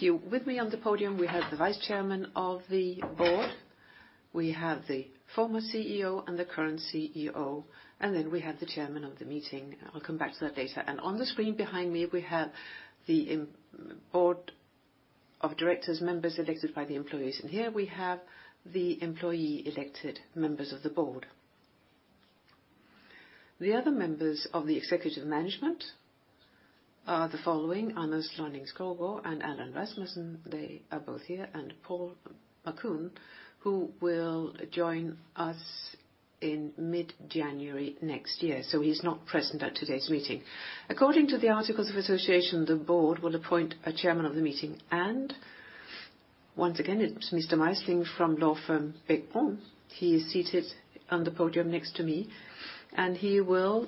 Thank you. With me on the podium, we have the Vice Chairman of the Board, we have the Former CEO and the Current CEO, then we have the Chairman of the Meeting. I'll come back to that later. On the screen behind me, we have the Board of Directors, members elected by the employees. Here we have the employee-elected members of the Board. The other members of the Executive Management are the following: Anders Lonning-Skovgaard and Allan Rasmussen, they are both here, and Paul Marcun, who will join us in mid-January next year, so he's not present at today's meeting. According to the articles of association, the Board will appoint a Chairman of the Meeting, once again, it's Mr. Meisling from law firm Bech-Bruun. He is seated on the podium next to me, and he will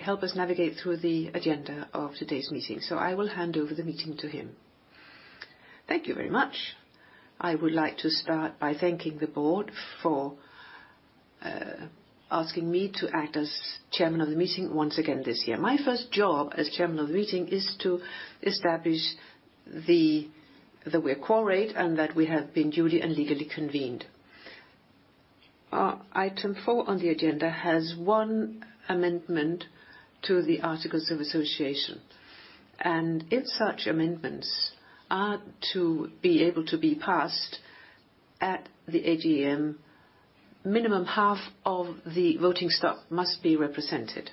help us navigate through the agenda of today's meeting. I will hand over the meeting to him. Thank you very much. I would like to start by thanking the Board for asking me to act as Chairman of the meeting once again this year. My first job as Chairman of the meeting is to establish that we are quorate and that we have been duly and legally convened. Item four on the agenda has one amendment to the Articles of Association, and if such amendments are to be able to be passed at the AGM, minimum half of the voting stock must be represented.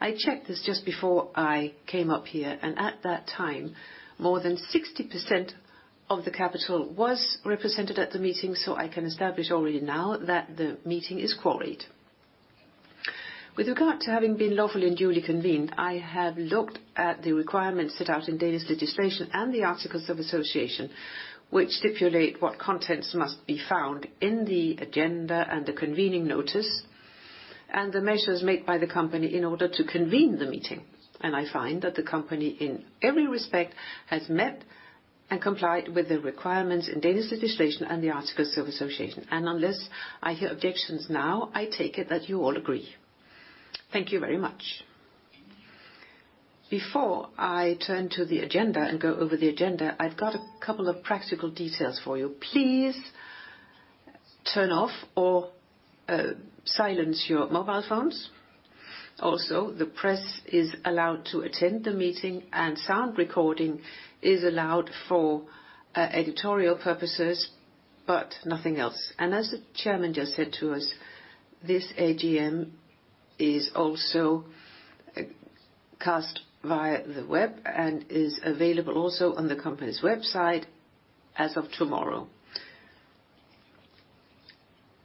I checked this just before I came up here, and at that time, more than 60% of the capital was represented at the meeting, so I can establish already now that the meeting is quorate. With regard to having been lawfully and duly convened, I have looked at the requirements set out in Danish legislation and the articles of association, which stipulate what contents must be found in the agenda and the convening notice, and the measures made by the company in order to convene the meeting. I find that the company, in every respect, has met and complied with the requirements in Danish legislation and the articles of association. Unless I hear objections now, I take it that you all agree. Thank you very much. Before I turn to the agenda and go over the agenda, I've got a couple of practical details for you. Please turn off or silence your mobile phones. The press is allowed to attend the meeting, and sound recording is allowed for editorial purposes, but nothing else. As the Chairman just said to us, this AGM is also cast via the web and is available also on the company's website as of tomorrow.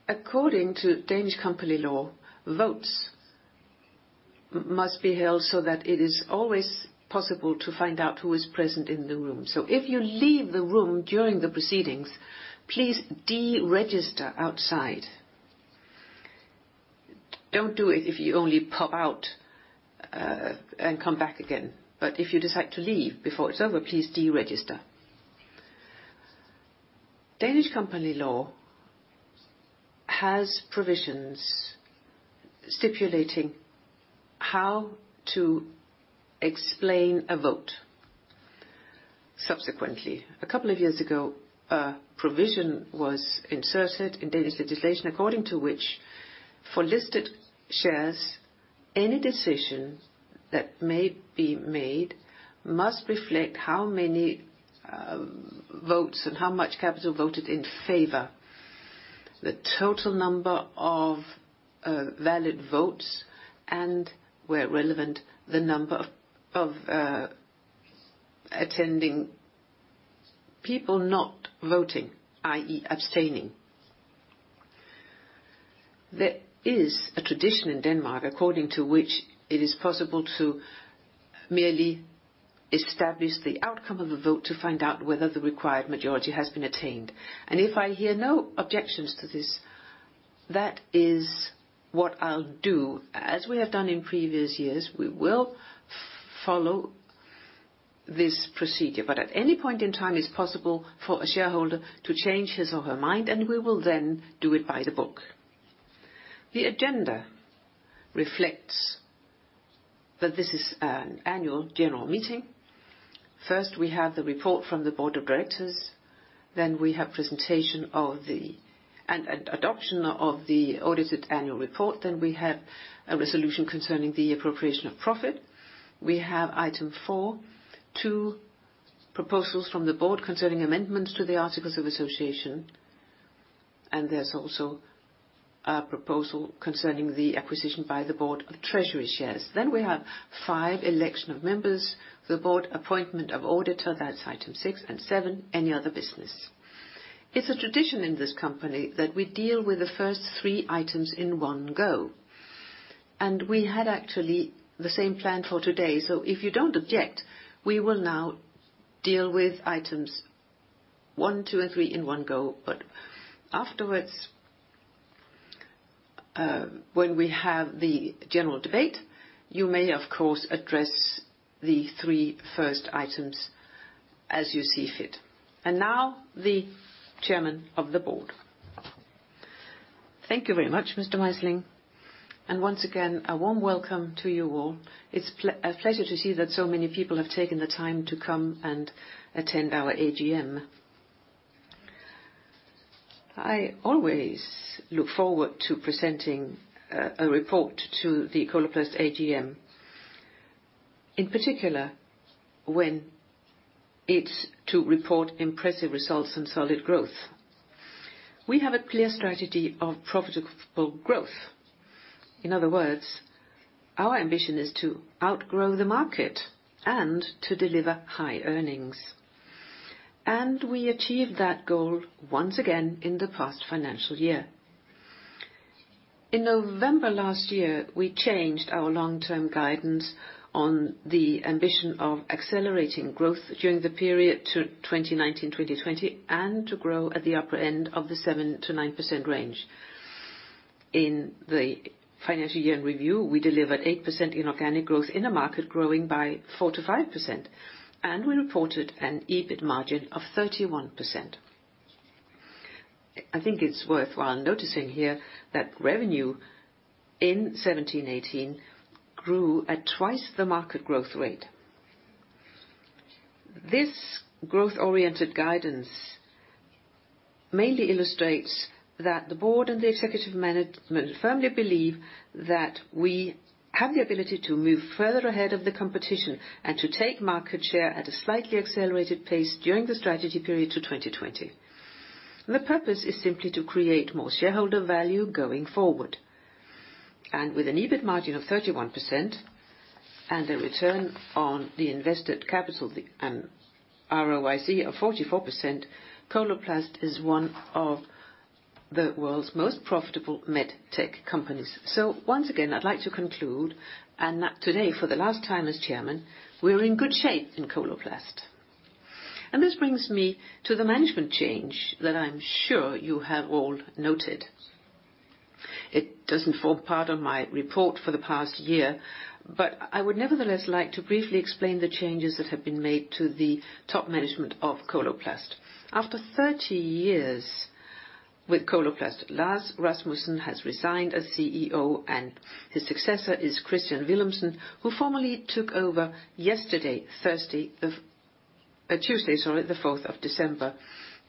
According to Danish company law, votes must be held so that it is always possible to find out who is present in the room. If you leave the room during the proceedings, please de-register outside. Don't do it if you only pop out and come back again. If you decide to leave before it's over, please de-register. Danish company law has provisions stipulating how to explain a vote. Subsequently, a couple of years ago, a provision was inserted in Danish legislation, according to which, for listed shares, any decision that may be made must reflect how many votes and how much capital voted in favor, the total number of valid votes, and where relevant, the number of attending people not voting, i.e., abstaining. There is a tradition in Denmark, according to which it is possible to merely establish the outcome of the vote to find out whether the required majority has been attained. If I hear no objections to this, that is what I'll do. As we have done in previous years, we will follow this procedure, but at any point in time, it's possible for a shareholder to change his or her mind, and we will then do it by the book. The agenda reflects that this is an annual general meeting. First, we have the report from the Board of Directors, then we have adoption of the audited annual report. We have a resolution concerning the appropriation of profit. We have item four, two proposals from the board concerning amendments to the articles of association, and there's also a proposal concerning the acquisition by the board of treasury shares. We have five election of members. The board appointment of auditor, that's items 6 and 7, any other business. It's a tradition in this company that we deal with the first three items in one go, and we had actually the same plan for today. If you don't object, we will now deal with items one, two, and three in one go. Afterwards, when we have the general debate, you may, of course, address the three first items as you see fit. Now the Chairman of the Board. Thank you very much, Mr. Meisling. Once again, a warm welcome to you all. It's a pleasure to see that so many people have taken the time to come and attend our AGM. I always look forward to presenting a report to the Coloplast AGM, in particular, when it's to report impressive results and solid growth. We have a clear strategy of profitable growth. In other words, our ambition is to outgrow the market and to deliver high earnings. We achieved that goal once again in the past financial year. In November last year, we changed our long-term guidance on the ambition of accelerating growth during the period to 2019-2020, and to grow at the upper end of the 7%-9% range. In the financial year in review, we delivered 8% in organic growth in a market growing by 4%-5%, and we reported an EBIT margin of 31%. I think it's worthwhile noticing here that revenue in 2017-2018 grew at twice the market growth rate. This growth-oriented guidance mainly illustrates that the board and the executive management firmly believe that we have the ability to move further ahead of the competition and to take market share at a slightly accelerated pace during the strategy period to 2020. The purpose is simply to create more shareholder value going forward. With an EBIT margin of 31% and a return on the invested capital and ROIC of 44%, Coloplast is one of the world's most profitable medtech companies. Once again, I'd like to conclude, and that today, for the last time as Chairman, we're in good shape in Coloplast. This brings me to the management change that I'm sure you have all noted. It doesn't form part of my report for the past year, but I would nevertheless like to briefly explain the changes that have been made to the top management of Coloplast. After 30 years with Coloplast, Lars Rasmussen has resigned as CEO, and his successor is Kristian Villumsen, who formally took over yesterday, Tuesday, sorry, the 4th of December.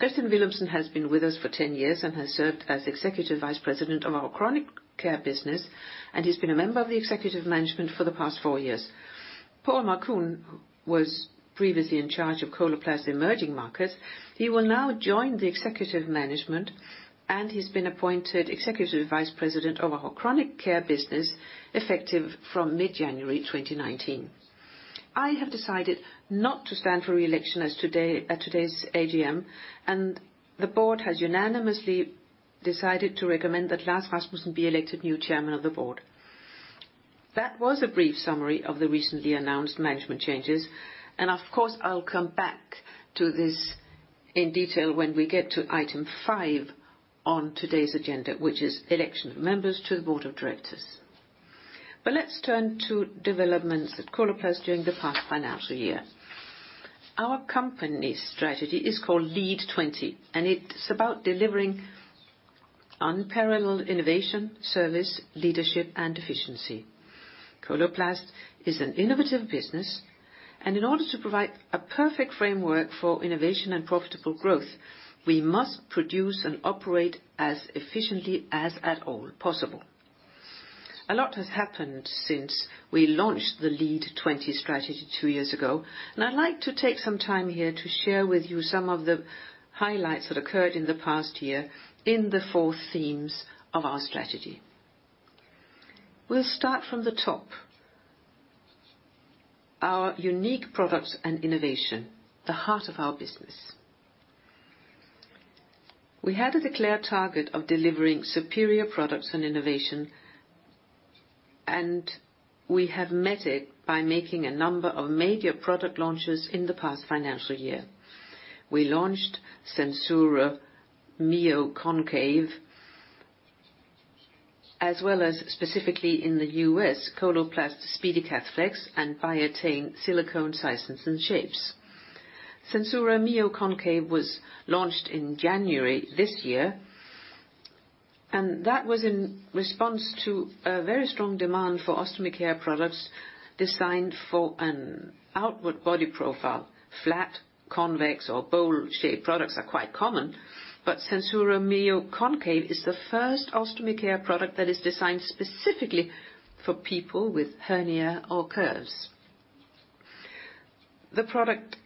Kristian Villumsen has been with us for 10 years and has served as Executive Vice President of our Chronic Care business, and he's been a member of the executive management for the past 4 years. Paul Marcun was previously in charge of Coloplast Emerging Markets. He will now join the executive management, he's been appointed Executive Vice President of our Chronic Care business, effective from mid-January 2019. I have decided not to stand for reelection as today, at today's AGM, the board has unanimously decided to recommend that Lars Rasmussen be elected new Chairman of the Board. That was a brief summary of the recently announced management changes, of course, I'll come back to this in detail when we get to item five on today's agenda, which is election of members to the board of directors. Let's turn to developments at Coloplast during the past financial year. Our company's strategy is called LEAD20, it's about delivering unparalleled innovation, service, leadership, and efficiency. Coloplast is an innovative business. In order to provide a perfect framework for innovation and profitable growth, we must produce and operate as efficiently as at all possible. A lot has happened since we launched the LEAD20 strategy two years ago. I'd like to take some time here to share with you some of the highlights that occurred in the past year in the four themes of our strategy. We'll start from the top. Our unique products and innovation, the heart of our business. We had a declared target of delivering superior products and innovation. We have met it by making a number of major product launches in the past financial year. We launched SenSura Mio Concave, as well as specifically in the U.S., Coloplast SpeediCath Flex and Biatain silicone sizes and shapes. SenSura Mio Concave was launched in January this year, and that was in response to a very strong demand for Ostomy Care products designed for an outward body profile. Flat, convex, or bowl-shaped products are quite common, but SenSura Mio Concave is the first Ostomy Care product that is designed specifically for people with hernia or curves. The product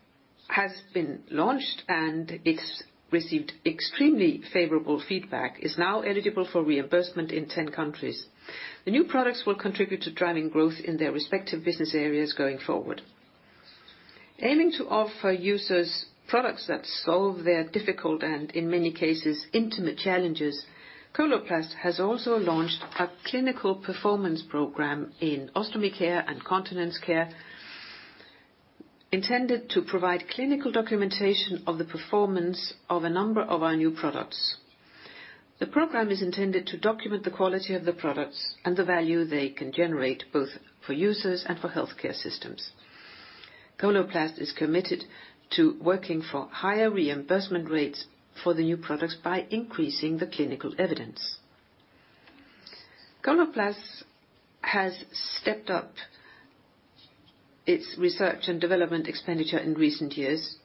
has been launched and it's received extremely favorable feedback. It's now eligible for reimbursement in 10 countries. The new products will contribute to driving growth in their respective business areas going forward. Aiming to offer users products that solve their difficult and, in many cases, intimate challenges, Coloplast has also launched a clinical performance program in Ostomy Care and Continence Care, intended to provide clinical documentation of the performance of a number of our new products. The program is intended to document the quality of the products and the value they can generate, both for users and for healthcare systems. Coloplast is committed to working for higher reimbursement rates for the new products by increasing the clinical evidence. Coloplast has stepped up its research and development expenditure in recent years,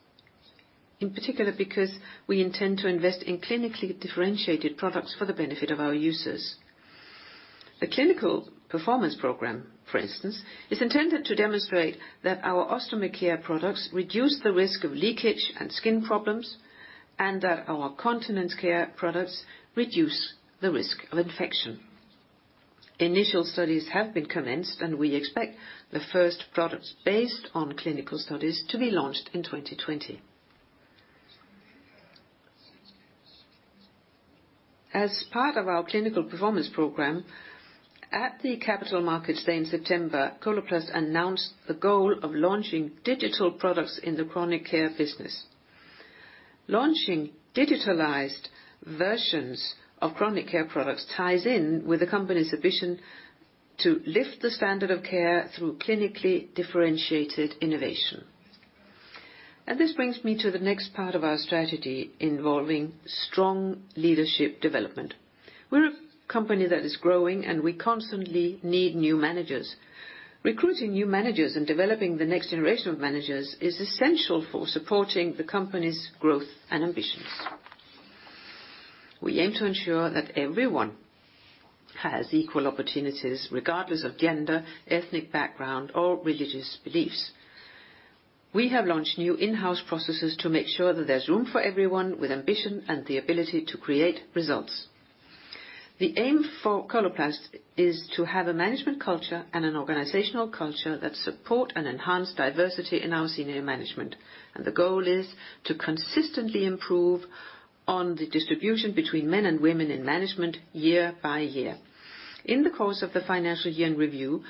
in particular, because we intend to invest in clinically differentiated products for the benefit of our users. The clinical performance program, for instance, is intended to demonstrate that our ostomy care products reduce the risk of leakage and skin problems, and that our continence care products reduce the risk of infection. Initial studies have been commenced, and we expect the first products based on clinical studies to be launched in 2020. As part of our clinical performance program, at the Capital Markets Day in September, Coloplast announced the goal of launching digital products in the chronic care business. Launching digitalized versions of chronic care products ties in with the company's ambition to lift the standard of care through clinically differentiated innovation. This brings me to the next part of our strategy, involving strong leadership development. We're a company that is growing, and we constantly need new managers. Recruiting new managers and developing the next generation of managers is essential for supporting the company's growth and ambitions. We aim to ensure that everyone has equal opportunities, regardless of gender, ethnic background, or religious beliefs. We have launched new in-house processes to make sure that there's room for everyone with ambition and the ability to create results. The aim for Coloplast is to have a management culture and an organizational culture that support and enhance diversity in our senior management. The goal is to consistently improve on the distribution between men and women in management year by year. In the course of the financial year in review,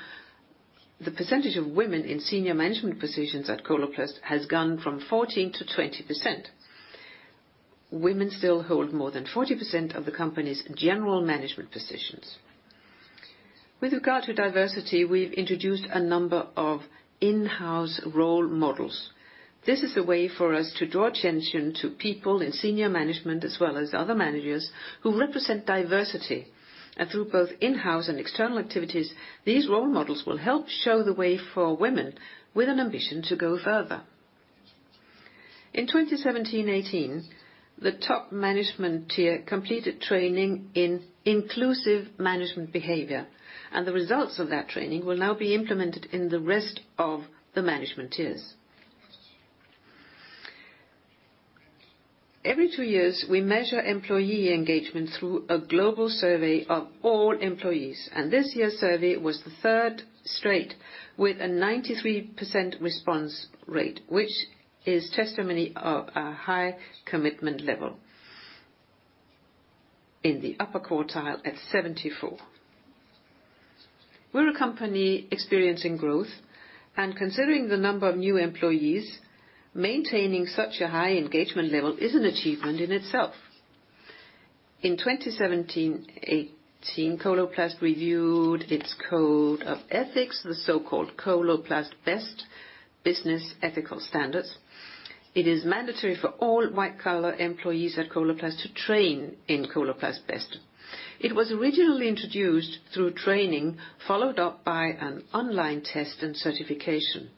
the percentage of women in senior management positions at Coloplast has gone from 14% to 20%. Women still hold more than 40% of the company's general management positions. With regard to diversity, we've introduced a number of in-house role models. This is a way for us to draw attention to people in senior management, as well as other managers who represent diversity. Through both in-house and external activities, these role models will help show the way for women with an ambition to go further. In 2017-2018, the top management tier completed training in inclusive management behavior. The results of that training will now be implemented in the rest of the management tiers. Every two years, we measure employee engagement through a global survey of all employees. This year's survey was the third straight with a 93% response rate, which is testimony of a high commitment level in the upper quartile at 74%. We're a company experiencing growth. Considering the number of new employees, maintaining such a high engagement level is an achievement in itself. In 2017-2018, Coloplast reviewed its Code of Ethics, the so-called Coloplast BEST, Business Ethical Standards. It is mandatory for all white-collar employees at Coloplast to train in Coloplast BEST. It was originally introduced through training, followed up by an online test and certification.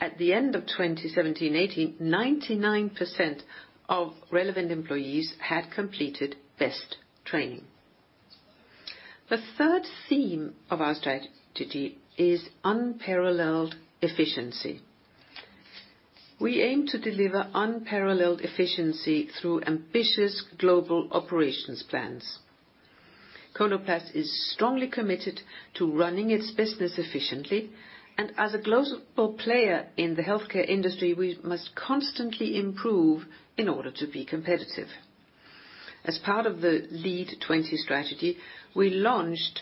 At the end of 2017-2018, 99% of relevant employees had completed BEST training. The third theme of our strategy is unparalleled efficiency. We aim to deliver unparalleled efficiency through ambitious global operations plans. Coloplast is strongly committed to running its business efficiently, and as a global player in the healthcare industry, we must constantly improve in order to be competitive. As part of the LEAD20 strategy, we launched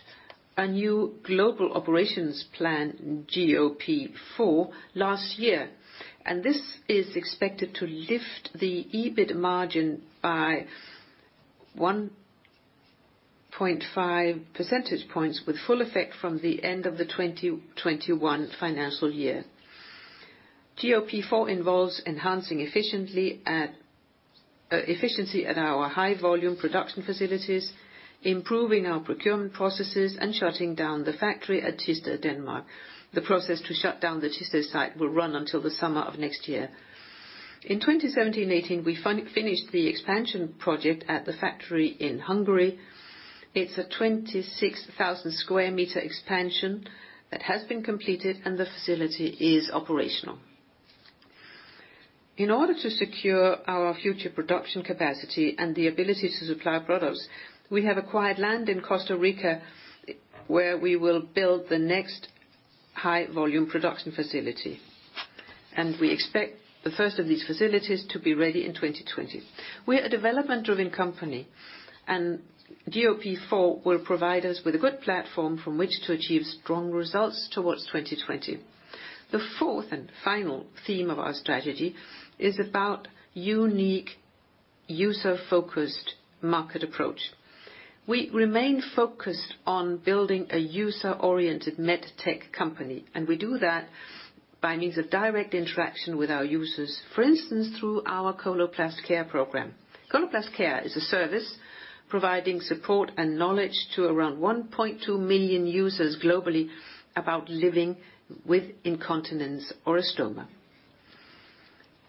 a new global operations plan, GOP 4, last year, and this is expected to lift the EBIT margin by 1.5 percentage points with full effect from the end of the 2021 financial year. GOP 4 involves enhancing efficiency at our high volume production facilities, improving our procurement processes, and shutting down the factory at Thisted, Denmark. The process to shut down the Thisted site will run until the summer of next year. In 2017-2018, we finished the expansion project at the factory in Hungary. It's a 26,000 sq m expansion that has been completed, and the facility is operational. In order to secure our future production capacity and the ability to supply products, we have acquired land in Costa Rica, where we will build the next high volume production facility, and we expect the first of these facilities to be ready in 2020. We're a development-driven company, and GOP 4 will provide us with a good platform from which to achieve strong results towards 2020. The fourth and final theme of our strategy is about unique user-focused market approach. We remain focused on building a user-oriented med tech company, and we do that by means of direct interaction with our users. For instance, through our Coloplast Care program. Coloplast Care is a service providing support and knowledge to around 1.2 million users globally about living with incontinence or a stoma.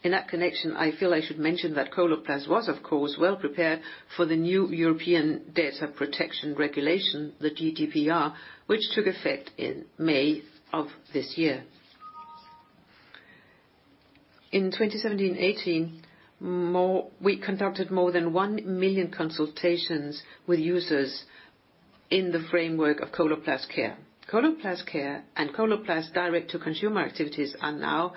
In that connection, I feel I should mention that Coloplast was, of course, well prepared for the new European Data Protection Regulation, the GDPR, which took effect in May of this year. In 2017-2018, we conducted more than 1 million consultations with users in the framework of Coloplast Care. Coloplast Care and Coloplast direct-to-consumer activities are now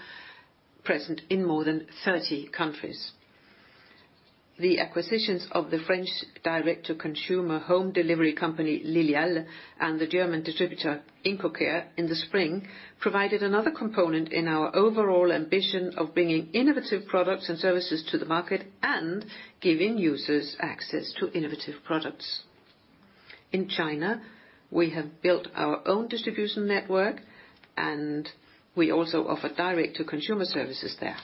present in more than 30 countries. The acquisitions of the French direct-to-consumer home delivery company, Lilial, and the German distributor, IncoCare, in the spring, provided another component in our overall ambition of bringing innovative products and services to the market, and giving users access to innovative products. In China, we have built our own distribution network, and we also offer direct-to-consumer services there.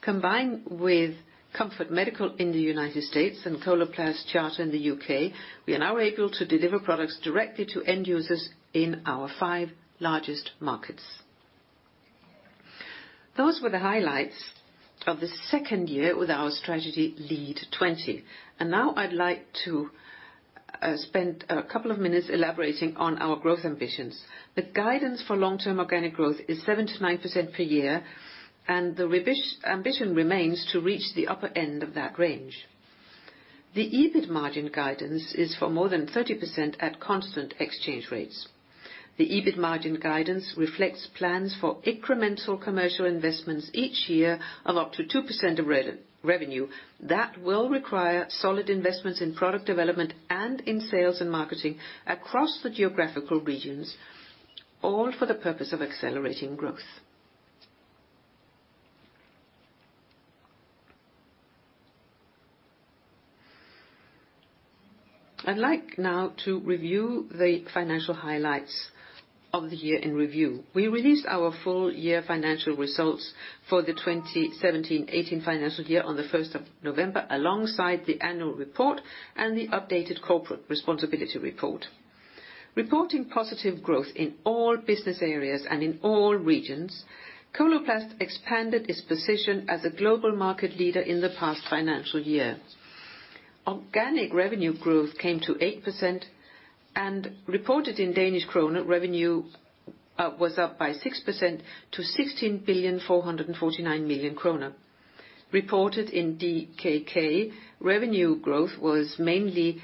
Combined with Comfort Medical in the United States and Coloplast Charter in the U.K., we are now able to deliver products directly to end users in our five largest markets. Those were the highlights of the second year with our strategy LEAD20. Now I'd like to spend a couple of minutes elaborating on our growth ambitions. The guidance for long-term organic growth is 7%-9% per year, and the ambition remains to reach the upper end of that range. The EBIT margin guidance is for more than 30% at constant exchange rates. The EBIT margin guidance reflects plans for incremental commercial investments each year of up to 2% of revenue. That will require solid investments in product development and in sales and marketing across the geographical regions, all for the purpose of accelerating growth. I'd like now to review the financial highlights of the year in review. We released our full year financial results for the 2017-2018 financial year on the first of November, alongside the annual report and the updated corporate responsibility report. Reporting positive growth in all business areas and in all regions, Coloplast expanded its position as a global market leader in the past financial year. Organic revenue growth came to 8% and reported in Danish kroner, revenue was up by 6% to 16,449,000,000 kroner. Reported in DKK, revenue growth was mainly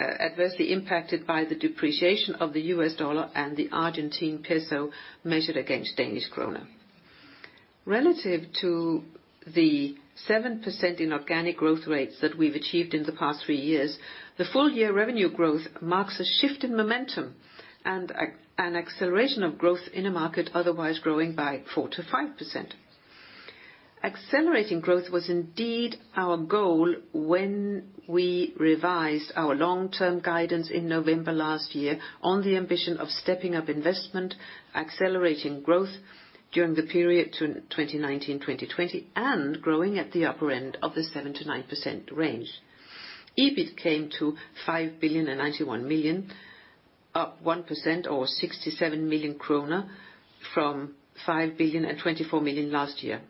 adversely impacted by the depreciation of the U.S. dollar and the Argentine peso, measured against Danish kroner. Relative to the 7% in organic growth rates that we've achieved in the past three years, the full year revenue growth marks a shift in momentum and an acceleration of growth in a market otherwise growing by 4%-5%. Accelerating growth was indeed our goal when we revised our long-term guidance in November last year on the ambition of stepping up investment, accelerating growth during the period to 2019-2020, and growing at the upper end of the 7%-9% range. EBIT came to 5,091,000,000, up 1% or 67 million kroner from 5,024,000,000 last year.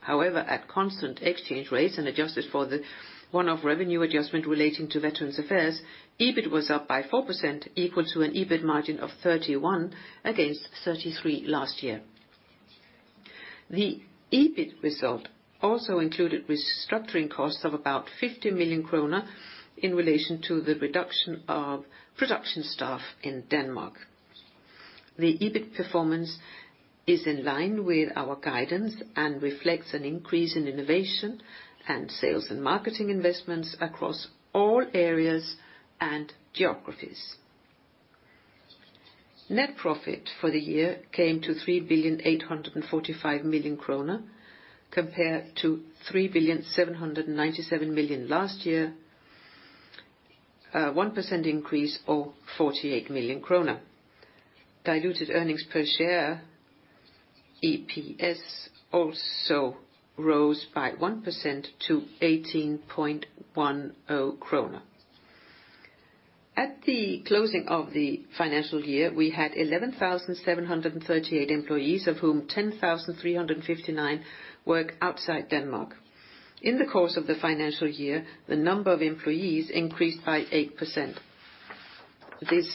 However, at constant exchange rates and adjusted for the one-off revenue adjustment relating to Veterans Affairs, EBIT was up by 4%, equal to an EBIT margin of 31% against 33% last year. The EBIT result also included restructuring costs of about 50 million kroner in relation to the reduction of production staff in Denmark. The EBIT performance is in line with our guidance and reflects an increase in innovation and sales and marketing investments across all areas and geographies. Net profit for the year came to 3,845,000,000 kroner, compared to 3,797,000,000 last year, a 1% increase, or 48 million kroner. Diluted earnings per share, EPS, also rose by 1% to 18.10 kroner. At the closing of the financial year, we had 11,738 employees, of whom 10,359 work outside Denmark. In the course of the financial year, the number of employees increased by 8%. This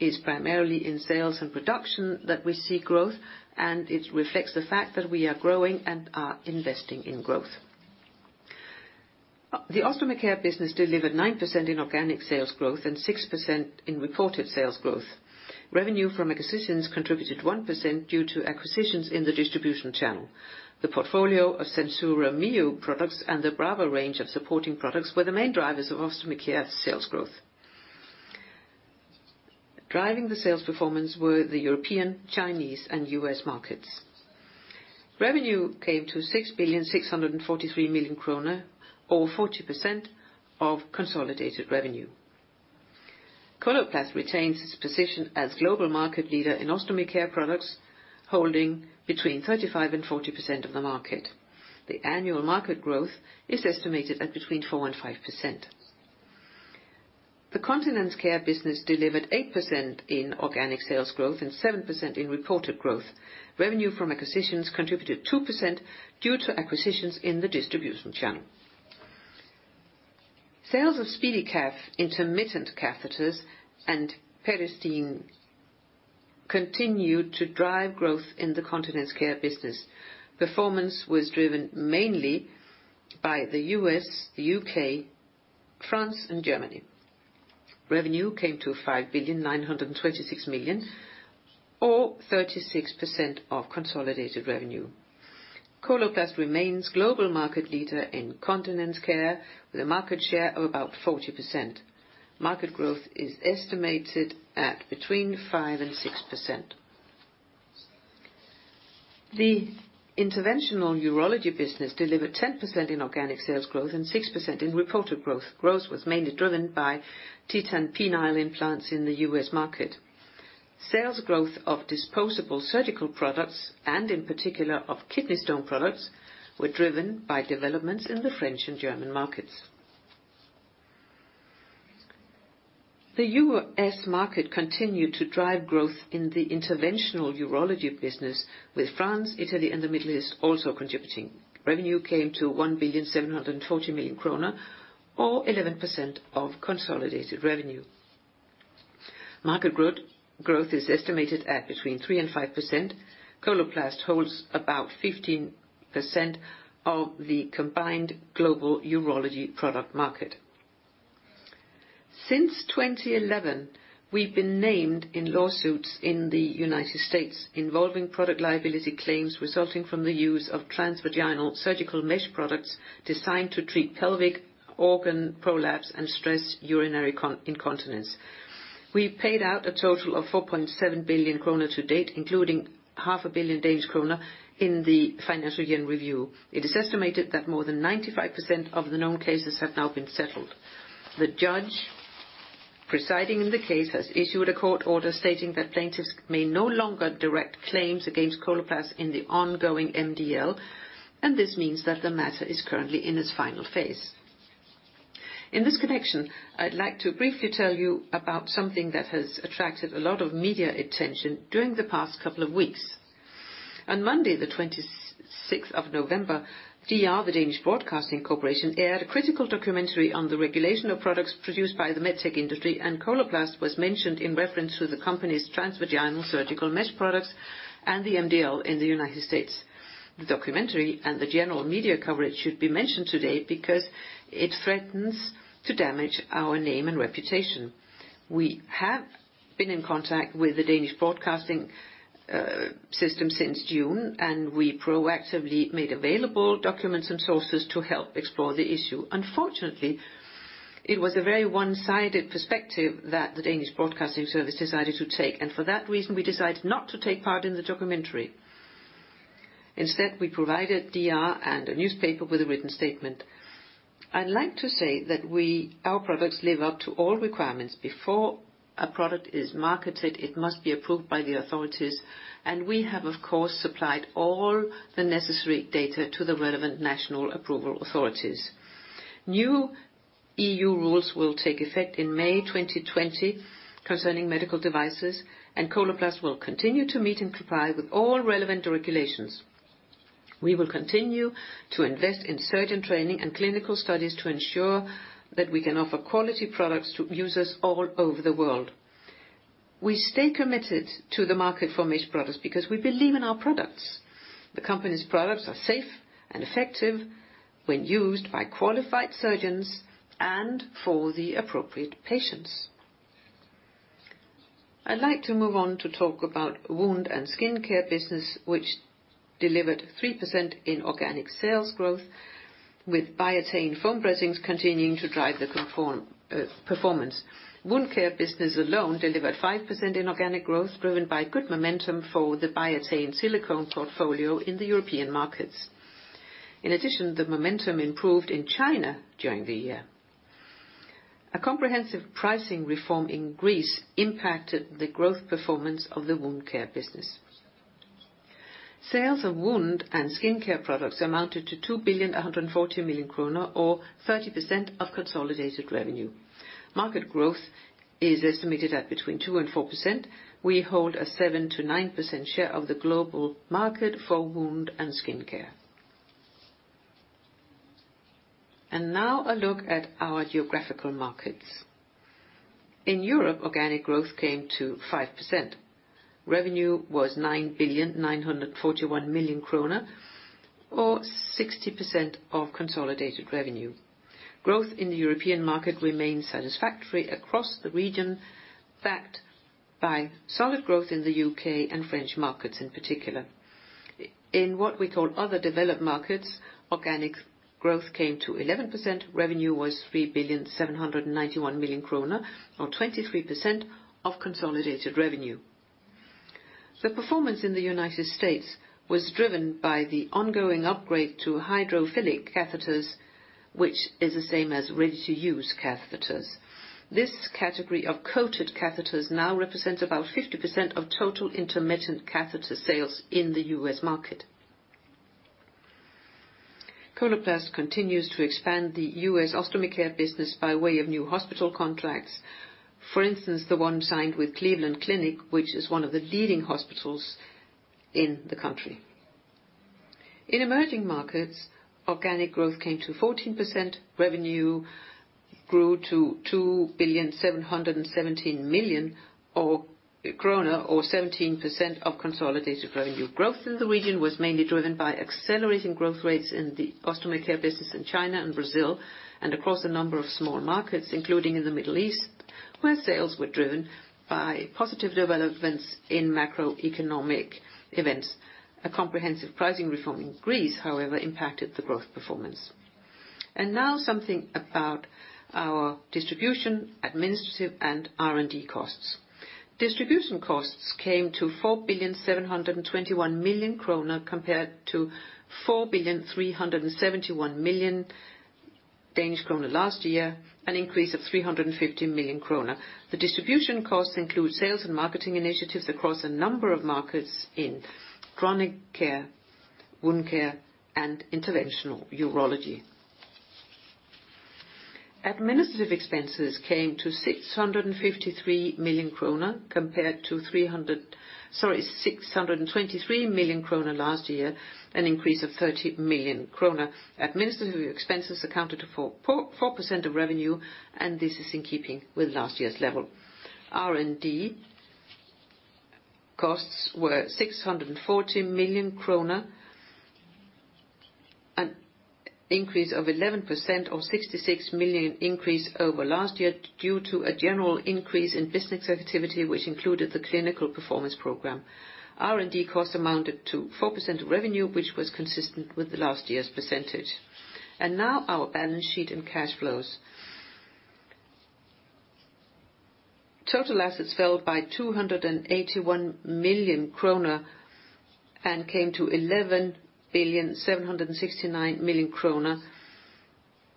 is primarily in sales and production that we see growth. It reflects the fact that we are growing and are investing in growth. The Ostomy Care business delivered 9% in organic sales growth and 6% in reported sales growth. Revenue from acquisitions contributed 1% due to acquisitions in the distribution channel. The portfolio of SenSura Mio products and the Brava range of supporting products were the main drivers of Ostomy Care sales growth. Driving the sales performance were the European, Chinese, and U.S. markets. Revenue came to 6,643,000,000 kroner, or 40% of consolidated revenue. Coloplast retains its position as global market leader in Ostomy Care products, holding between 35% and 40% of the market. The annual market growth is estimated at between 4% and 5%. The Continence Care business delivered 8% in organic sales growth and 7% in reported growth. Revenue from acquisitions contributed 2% due to acquisitions in the distribution channel. Sales of SpeediCath intermittent catheters and Peristeen continued to drive growth in the Continence Care business. Performance was driven mainly by the U.S., the U.K., France, and Germany. Revenue came to 5,926,000,000, or 36% of consolidated revenue. Coloplast remains global market leader in Continence Care, with a market share of about 40%. Market growth is estimated at between 5% and 6%. The Interventional Urology business delivered 10% in organic sales growth and 6% in reported growth. Growth was mainly driven by Titan penile implants in the U.S. market. Sales growth of disposable surgical products, and in particular of kidney stone products, were driven by developments in the French and German markets. The U.S. market continued to drive growth in the Interventional Urology business, with France, Italy, and the Middle East also contributing. Revenue came to 1,074,000,000 kroner, or 11% of consolidated revenue. Market growth is estimated at between 3% and 5%. Coloplast holds about 15% of the combined global urology product market. Since 2011, we've been named in lawsuits in the United States involving product liability claims resulting from the use of transvaginal surgical mesh products designed to treat pelvic organ prolapse and stress urinary incontinence. We've paid out a total of 4.7 billion kroner to date, including 500,000 Danish kroner in the financial year in review. It is estimated that more than 95% of the known cases have now been settled. The judge presiding in the case has issued a court order stating that plaintiffs may no longer direct claims against Coloplast in the ongoing MDL, and this means that the matter is currently in its final phase. In this connection, I'd like to briefly tell you about something that has attracted a lot of media attention during the past couple of weeks. On Monday, the 26th of November, DR, the Danish Broadcasting Corporation, aired a critical documentary on the regulation of products produced by the med tech industry, and Coloplast was mentioned in reference to the company's transvaginal surgical mesh products and the MDL in the United States. The documentary and the general media coverage should be mentioned today because it threatens to damage our name and reputation. We have been in contact with the Danish Broadcasting System since June. We proactively made available documents and sources to help explore the issue. Unfortunately, it was a very one-sided perspective that the Danish Broadcasting Service decided to take. For that reason, we decided not to take part in the documentary. Instead, we provided DR and a newspaper with a written statement. I'd like to say that our products live up to all requirements. Before a product is marketed, it must be approved by the authorities. We have, of course, supplied all the necessary data to the relevant national approval authorities. New E.U. rules will take effect in May 2020 concerning medical devices. Coloplast will continue to meet and comply with all relevant regulations. We will continue to invest in surgeon training and clinical studies to ensure that we can offer quality products to users all over the world. We stay committed to the market for mesh products because we believe in our products. The company's products are safe and effective when used by qualified surgeons and for the appropriate patients. I'd like to move on to talk about Wound & Skin Care business, which delivered 3% in organic sales growth, with Biatain foam dressings continuing to drive the conform performance. Wound Care business alone delivered 5% in organic growth, driven by good momentum for the Biatain silicone portfolio in the European markets. The momentum improved in China during the year. A comprehensive pricing reform in Greece impacted the growth performance of the Wound Care business. Sales of Wound & Skin Care products amounted to 2,140,000 kroner, or 30% of consolidated revenue. Market growth is estimated at between 2%-4%. We hold a 7%-9% share of the global market for Wound & Skin Care. Now a look at our geographical markets. In Europe, organic growth came to 5%. Revenue was 9,941,000,000 kroner, or 60% of consolidated revenue. Growth in the European market remains satisfactory across the region, backed by solid growth in the U.K. and French markets, in particular. In what we call other developed markets, organic growth came to 11%, revenue was 3,791,000,000 kroner, or 23% of consolidated revenue. The performance in the U.S. was driven by the ongoing upgrade to hydrophilic catheters, which is the same as ready-to-use catheters. This category of coated catheters now represents about 50% of total intermittent catheter sales in the U.S. market. Coloplast continues to expand the U.S. Ostomy Care business by way of new hospital contracts. For instance, the one signed with Cleveland Clinic, which is one of the leading hospitals in the country. In Emerging Markets, organic growth came to 14%, revenue grew to 2,717,000,000 kroner, or 17% of consolidated revenue. Growth in the region was mainly driven by accelerating growth rates in the Ostomy Care business in China and Brazil, and across a number of small markets, including in the Middle East, where sales were driven by positive developments in macroeconomic events. A comprehensive pricing reform in Greece, however, impacted the growth performance. Now something about our distribution, administrative, and R&D costs. Distribution costs came to 4,721,000,000 kroner, compared to 4,371,000,000 Danish kroner last year, an increase of 350 million kroner. The distribution costs include sales and marketing initiatives across a number of markets in Chronic Care, Wound Care, and Interventional Urology. Administrative expenses came to 653 million kroner, compared to 623 million kroner last year, an increase of 30 million kroner. Administrative expenses accounted to 4.44% of revenue, and this is in keeping with last year's level. R&D costs were 640 million kroner, an increase of 11%, or 66 million increase over last year, due to a general increase in business activity, which included the clinical performance program. R&D costs amounted to 4% of revenue, which was consistent with the last year's percentage. Now our balance sheet and cash flows. Total assets fell by 281 million kroner and came to 11,769,000,000 kroner.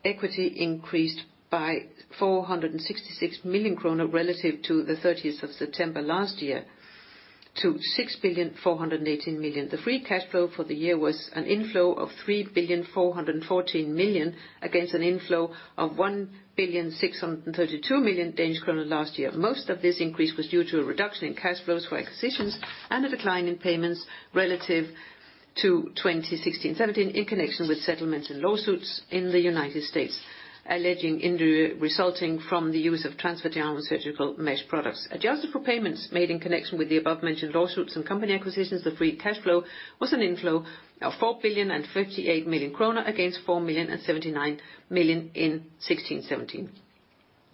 Equity increased by 466 million kroner relative to the 30th of September last year, to 6,418,000,000. The free cash flow for the year was an inflow of 3,414,000,000, against an inflow of 1,632,000,000 Danish kroner last year. Most of this increase was due to a reduction in cash flows for acquisitions and a decline in payments relative to 2016-2017 in connection with settlements and lawsuits in the United States, alleging injury resulting from the use of transvaginal surgical mesh products. Adjusted for payments made in connection with the above-mentioned lawsuits and company acquisitions, the free cash flow was an inflow of 4,058,000,000 kroner, against 4 million and 79 million in 2016-2017.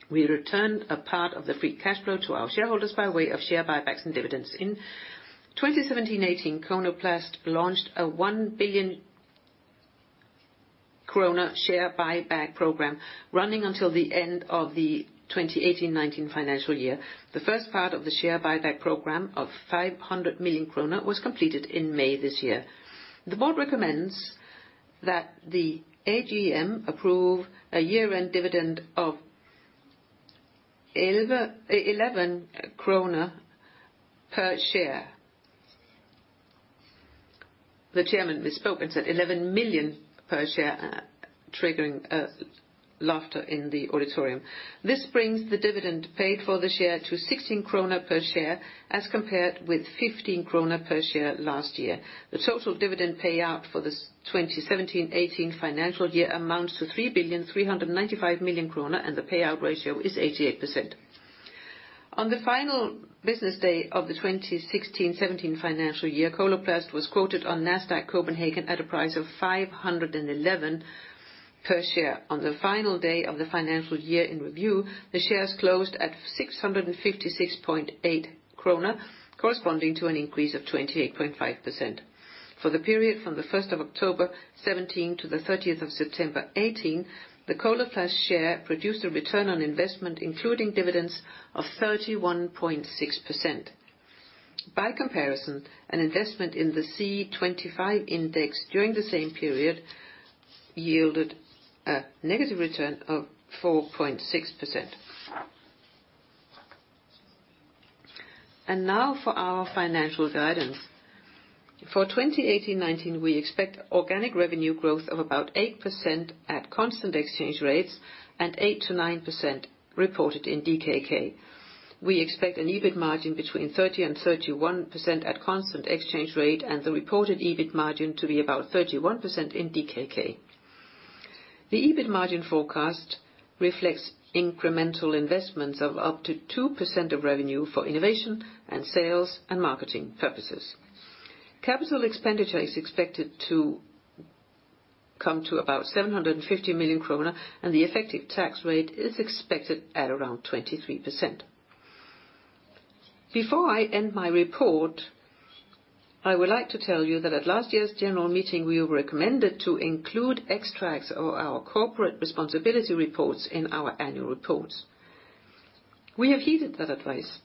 We returned a part of the free cash flow to our shareholders by way of share buybacks and dividends. In 2017-2018, Coloplast launched a DKK 1 billion share buyback program, running until the end of the 2018-2019 financial year. The first part of the share buyback program of 500 million kroner was completed in May this year. The board recommends that the AGM approve a year-end dividend of DKK 11 per share. The Chairman misspoke and said 11 million per share, triggering laughter in the auditorium. This brings the dividend paid for the share to 16 krone per share, as compared with 15 krone per share last year. The total dividend payout for the 2017-2018 financial year amounts to 3,395,000,000 kroner, and the payout ratio is 88%. On the final business day of the 2016-2017 financial year, Coloplast was quoted on Nasdaq Copenhagen at a price of 511 per share. On the final day of the financial year in review, the shares closed at 656.8 krone, corresponding to an increase of 28.5%. For the period from the 1st of October 2017 to the 30th of September 2018, the Coloplast share produced a return on investment, including dividends, of 31.6%. By comparison, an investment in the C-25 index during the same period yielded a negative return of 4.6%. Now for our financial guidance. For 2018-2019, we expect organic revenue growth of about 8% at constant exchange rates and 8%-9% reported in DKK. We expect an EBIT margin between 30% and 31% at constant exchange rate, and the reported EBIT margin to be about 31% in DKK. The EBIT margin forecast reflects incremental investments of up to 2% of revenue for innovation and sales and marketing purposes. Capital expenditure is expected to come to about 750 million kroner. The effective tax rate is expected at around 23%. Before I end my report, I would like to tell you that at last year's general meeting, we were recommended to include extracts of our corporate responsibility reports in our annual reports. We have heeded that advice.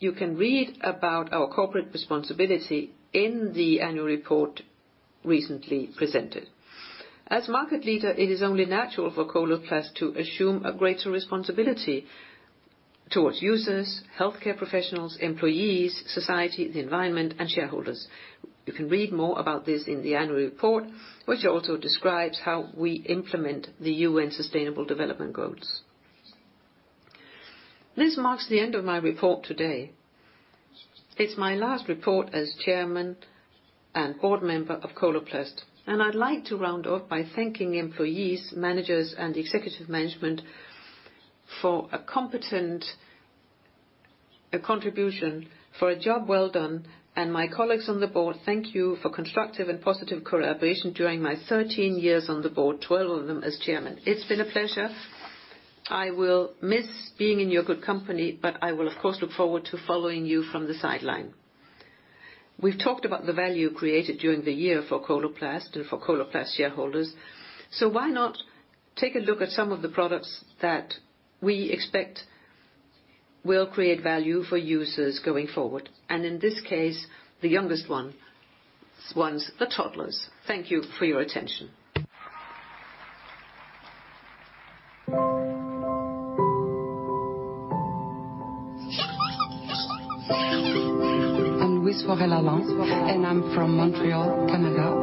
You can read about our corporate responsibility in the annual report recently presented. As market leader, it is only natural for Coloplast to assume a greater responsibility towards users, healthcare professionals, employees, society, the environment, and shareholders. You can read more about this in the annual report, which also describes how we implement the UN Sustainable Development Goals. This marks the end of my report today. It's my last report as Chairman and Board Member of Coloplast, and I'd like to round off by thanking employees, managers, and the executive management for a competent, a contribution, for a job well done. My colleagues on the board, thank you for constructive and positive collaboration during my 13 years on the board, 12 of them as Chairman. It's been a pleasure. I will miss being in your good company, but I will, of course, look forward to following you from the sideline. We've talked about the value created during the year for Coloplast and for Coloplast shareholders. Why not take a look at some of the products that we expect will create value for users going forward, and in this case, the youngest ones, the toddlers. Thank you for your attention. I'm Louise Laurel Allan, and I'm from Montreal, Canada,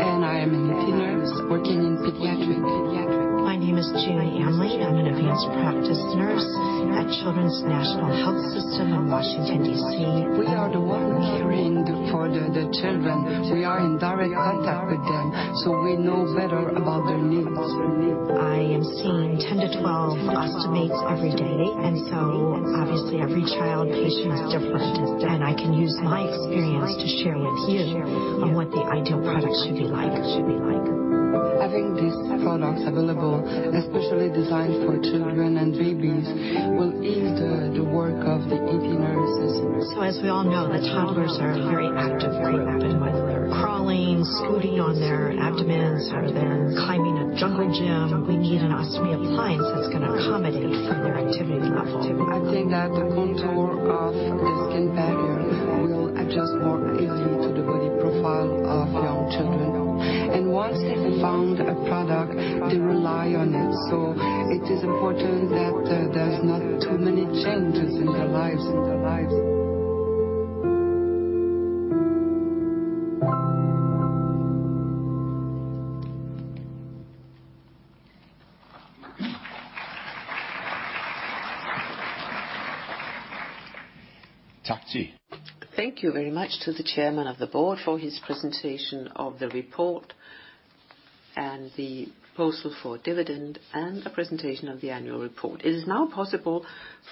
and I am a nurse working in pediatric. My name is Jane Amley. I'm an advanced practice nurse at Children's National Health System in Washington, D.C. We are the one caring for the children. We are in direct contact with them, so we know better about their needs. I am seeing 10-12 ostomates every day, and so obviously every child patient is different, and I can use my experience to share with you on what the ideal product should be like. Having these products available, especially designed for children and babies, will ease the work of the NP nurses. As we all know, the toddlers are a very active group, and whether they're crawling, scooting on their abdomens, or they're climbing a jungle gym, we need an ostomy appliance that's going to accommodate their activity level. I think that the contour of the skin barrier will adjust more easily to the body profile of young children. Once they have found a product, they rely on it, so it is important that there's not too many changes in their lives. Thank you. Thank you very much to the Chairman of the Board for his presentation of the report and the proposal for dividend and a presentation of the annual report. It is now possible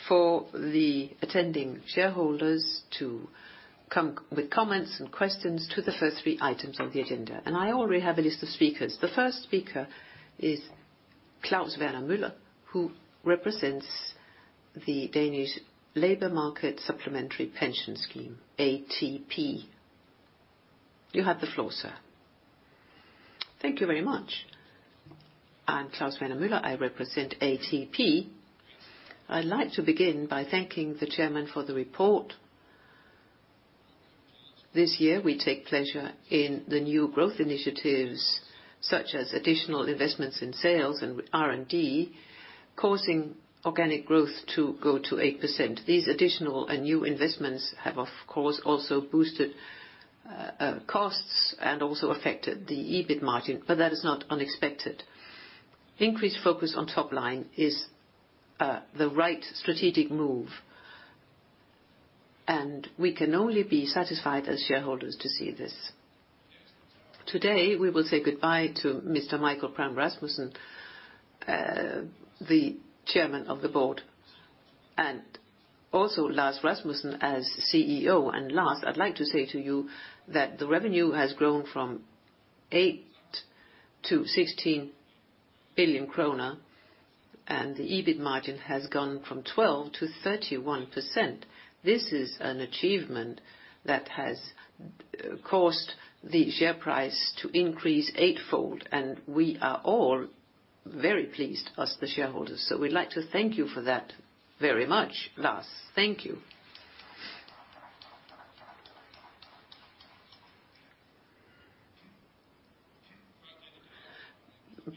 for the attending shareholders to come with comments and questions to the first three items on the agenda. I already have a list of speakers. The first speaker is Claus Berner Møller, who represents the Danish Labour Market Supplementary Pension Scheme, ATP. You have the floor, sir. Thank you very much. I'm Claus Berner Møller. I represent ATP. I'd like to begin by thanking the Chairman for the report. This year, we take pleasure in the new growth initiatives, such as additional investments in sales and R&D, causing organic growth to go to 8%. These additional and new investments have, of course, also boosted costs and also affected the EBIT margin, but that is not unexpected. Increased focus on top line is the right strategic move, and we can only be satisfied as shareholders to see this. Today, we will say goodbye to Mr. Michael Pram Rasmussen, the Chairman of the Board, and also Lars Rasmussen as CEO. Lars, I'd like to say to you that the revenue has grown from 8 billion to 16 billion kroner, and the EBIT margin has gone from 12% to 31%. This is an achievement that has caused the share price to increase eightfold, and we are all very pleased as the shareholders. We'd like to thank you for that very much, Lars. Thank you.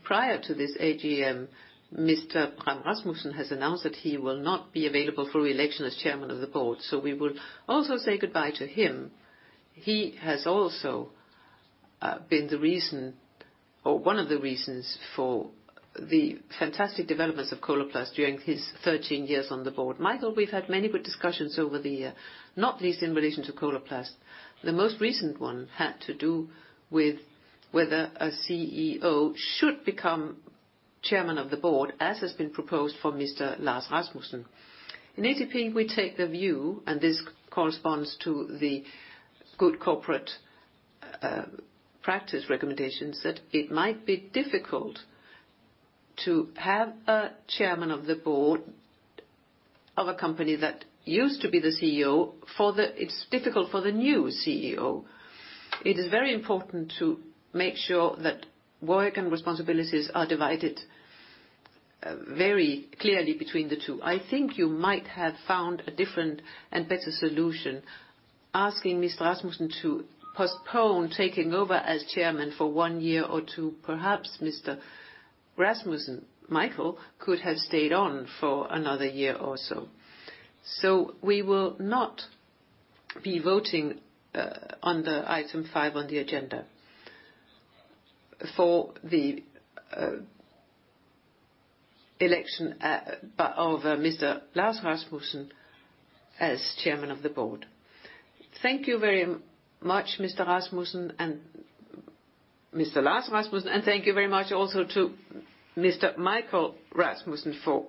Prior to this AGM, Mr. Pram Rasmussen has announced that he will not be available for reelection as Chairman of the Board, so we will also say goodbye to him. He has also been the reason, or one of the reasons, for the fantastic developments of Coloplast during his 13 years on the board. Michael, we've had many good discussions over the year, not least in relation to Coloplast. The most recent one had to do with whether a CEO should become Chairman of the Board, as has been proposed for Mr. Lars Rasmussen. In ATP, we take the view, and this corresponds to the good corporate practice recommendations, that it might be difficult to have a Chairman of the Board of a company that used to be the CEO, it's difficult for the new CEO. It is very important to make sure that work and responsibilities are divided, very clearly between the two. I think you might have found a different and better solution, asking Mr. Rasmussen to postpone taking over as Chairman for one year or two. Perhaps Mr. Rasmussen, Michael, could have stayed on for another year or so. We will not be voting, on the item five on the agenda for the, election, by, of Mr. Lars Rasmussen as Chairman of the Board. Thank you very much, Mr. Rasmussen, and Mr. Lars Rasmussen, and thank you very much also to Mr. Michael Rasmussen for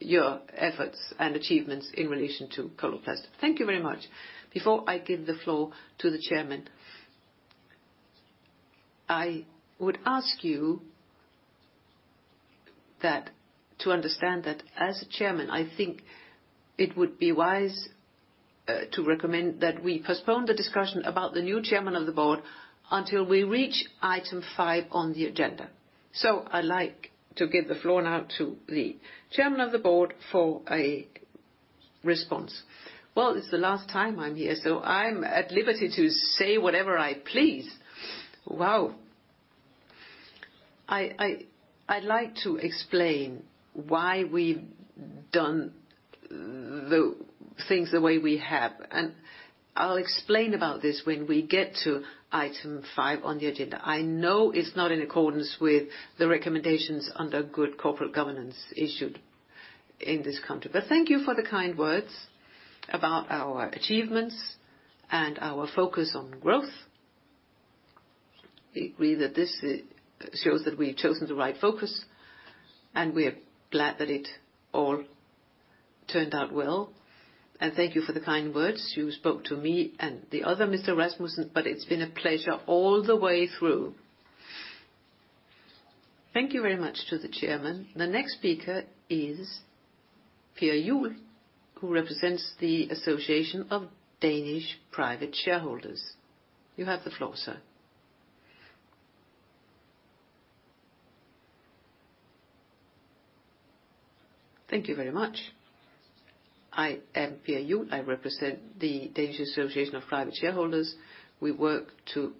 your efforts and achievements in relation to Coloplast. Thank you very much. Before I give the floor to the Chairman, I would ask you that, to understand that as a Chairman, I think it would be wise to recommend that we postpone the discussion about the new Chairman of the board until we reach item five on the agenda. I'd like to give the floor now to the Chairman of the Board for a response. Well, it's the last time I'm here, so I'm at liberty to say whatever I please. Wow! I'd like to explain why we've done the things the way we have, and I'll explain about this when we get to item five on the agenda. I know it's not in accordance with the recommendations under good corporate governance issued in this country. Thank you for the kind words about our achievements and our focus on growth. I agree that this shows that we've chosen the right focus, and we are glad that it all turned out well. Thank you for the kind words. You spoke to me and the other Mr. Rasmussen, it's been a pleasure all the way through. Thank you very much to the Chairman. The next speaker is Per Juul, who represents the Association of Danish Private Shareholders. You have the floor, sir. Thank you very much. I am Per Juul. I represent the Danish Association of Private Shareholders. We work to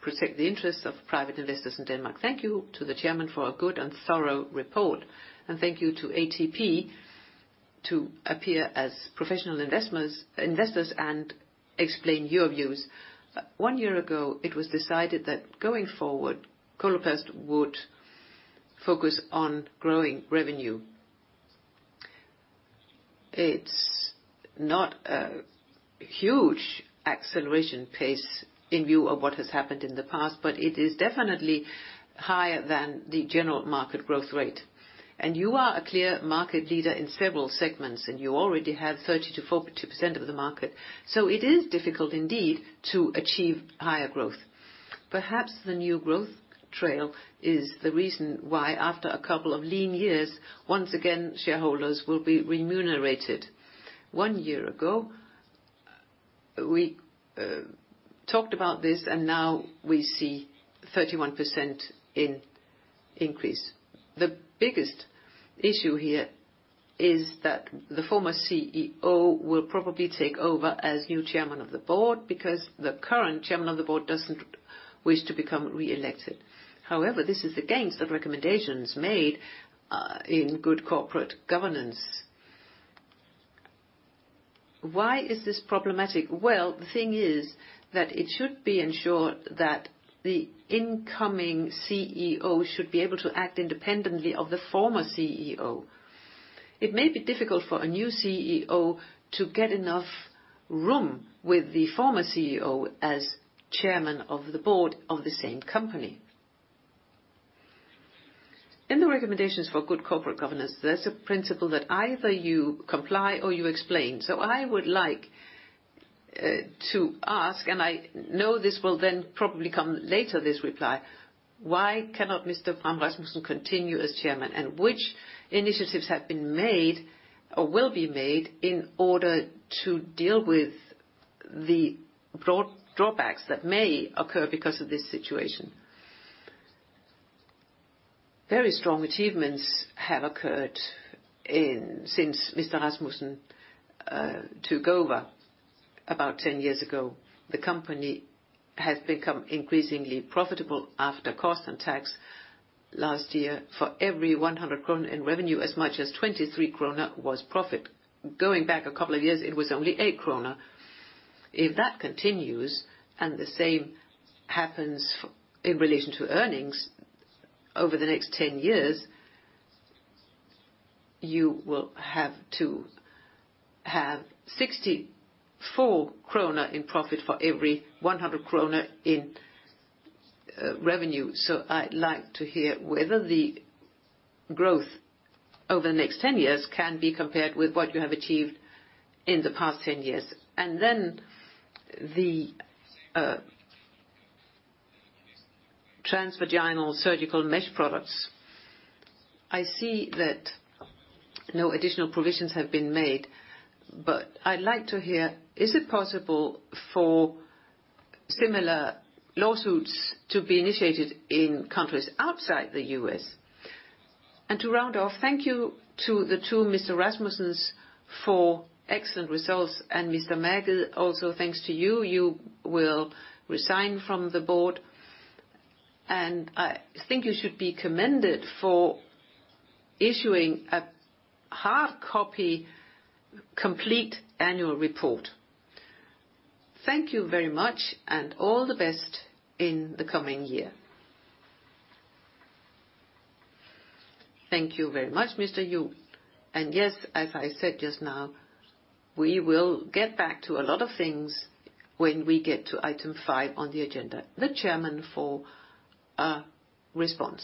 protect the interests of private investors in Denmark. Thank you to the Chairman for a good and thorough report, thank you to ATP to appear as professional investors and explain your views. One year ago, it was decided that going forward, Coloplast would focus on growing revenue. It's not a huge acceleration pace in view of what has happened in the past, but it is definitely higher than the general market growth rate. You are a clear market leader in several segments, and you already have 30%-42% of the market, so it is difficult indeed to achieve higher growth. Perhaps the new growth trail is the reason why, after a couple of lean years, once again, shareholders will be remunerated. One year ago, we talked about this, and now we see 31% in increase. The biggest issue here is that the former CEO will probably take over as new Chairman of the Board because the current Chairman of the Board doesn't wish to become re-elected. However, this is against the recommendations made in good corporate governance. Why is this problematic? The thing is that it should be ensured that the incoming CEO should be able to act independently of the former CEO. It may be difficult for a new CEO to get enough room with the former CEO as Chairman of the Board of the same company. In the recommendations for good corporate governance, there's a principle that either you comply or you explain. I would like to ask, and I know this will then probably come later, this reply: Why cannot Mr. Michael Pram Rasmussen continue as Chairman? Which initiatives have been made or will be made in order to deal with the broad drawbacks that may occur because of this situation? Very strong achievements have occurred in, since Mr. Michael Pram Rasmussen took over about 10 years ago. The company has become increasingly profitable after cost and tax. Last year, for every 100 krone in revenue, as much as 23 krone was profit. Going back a couple of years, it was only 8 krone. If that continues, and the same happens in relation to earnings over the next 10 years, you will have to have 64 krone in profit for every 100 krone in revenue. I'd like to hear whether the growth over the next 10 years can be compared with what you have achieved in the past 10 years? The transvaginal surgical mesh products, I see that no additional provisions have been made, but I'd like to hear, is it possible for similar lawsuits to be initiated in countries outside the U.S.? To round off, thank you to the two Mr. Rasmussens for excellent results. Mr. Jørgen Tang-Jensen, also, thanks to you. You will resign from the board, and I think you should be commended for issuing a hard copy, complete annual report. Thank you very much, and all the best in the coming year. Thank you very much, Mr. Juul. Yes, as I said just now, we will get back to a lot of things when we get to item five on the agenda. The Chairman for a response.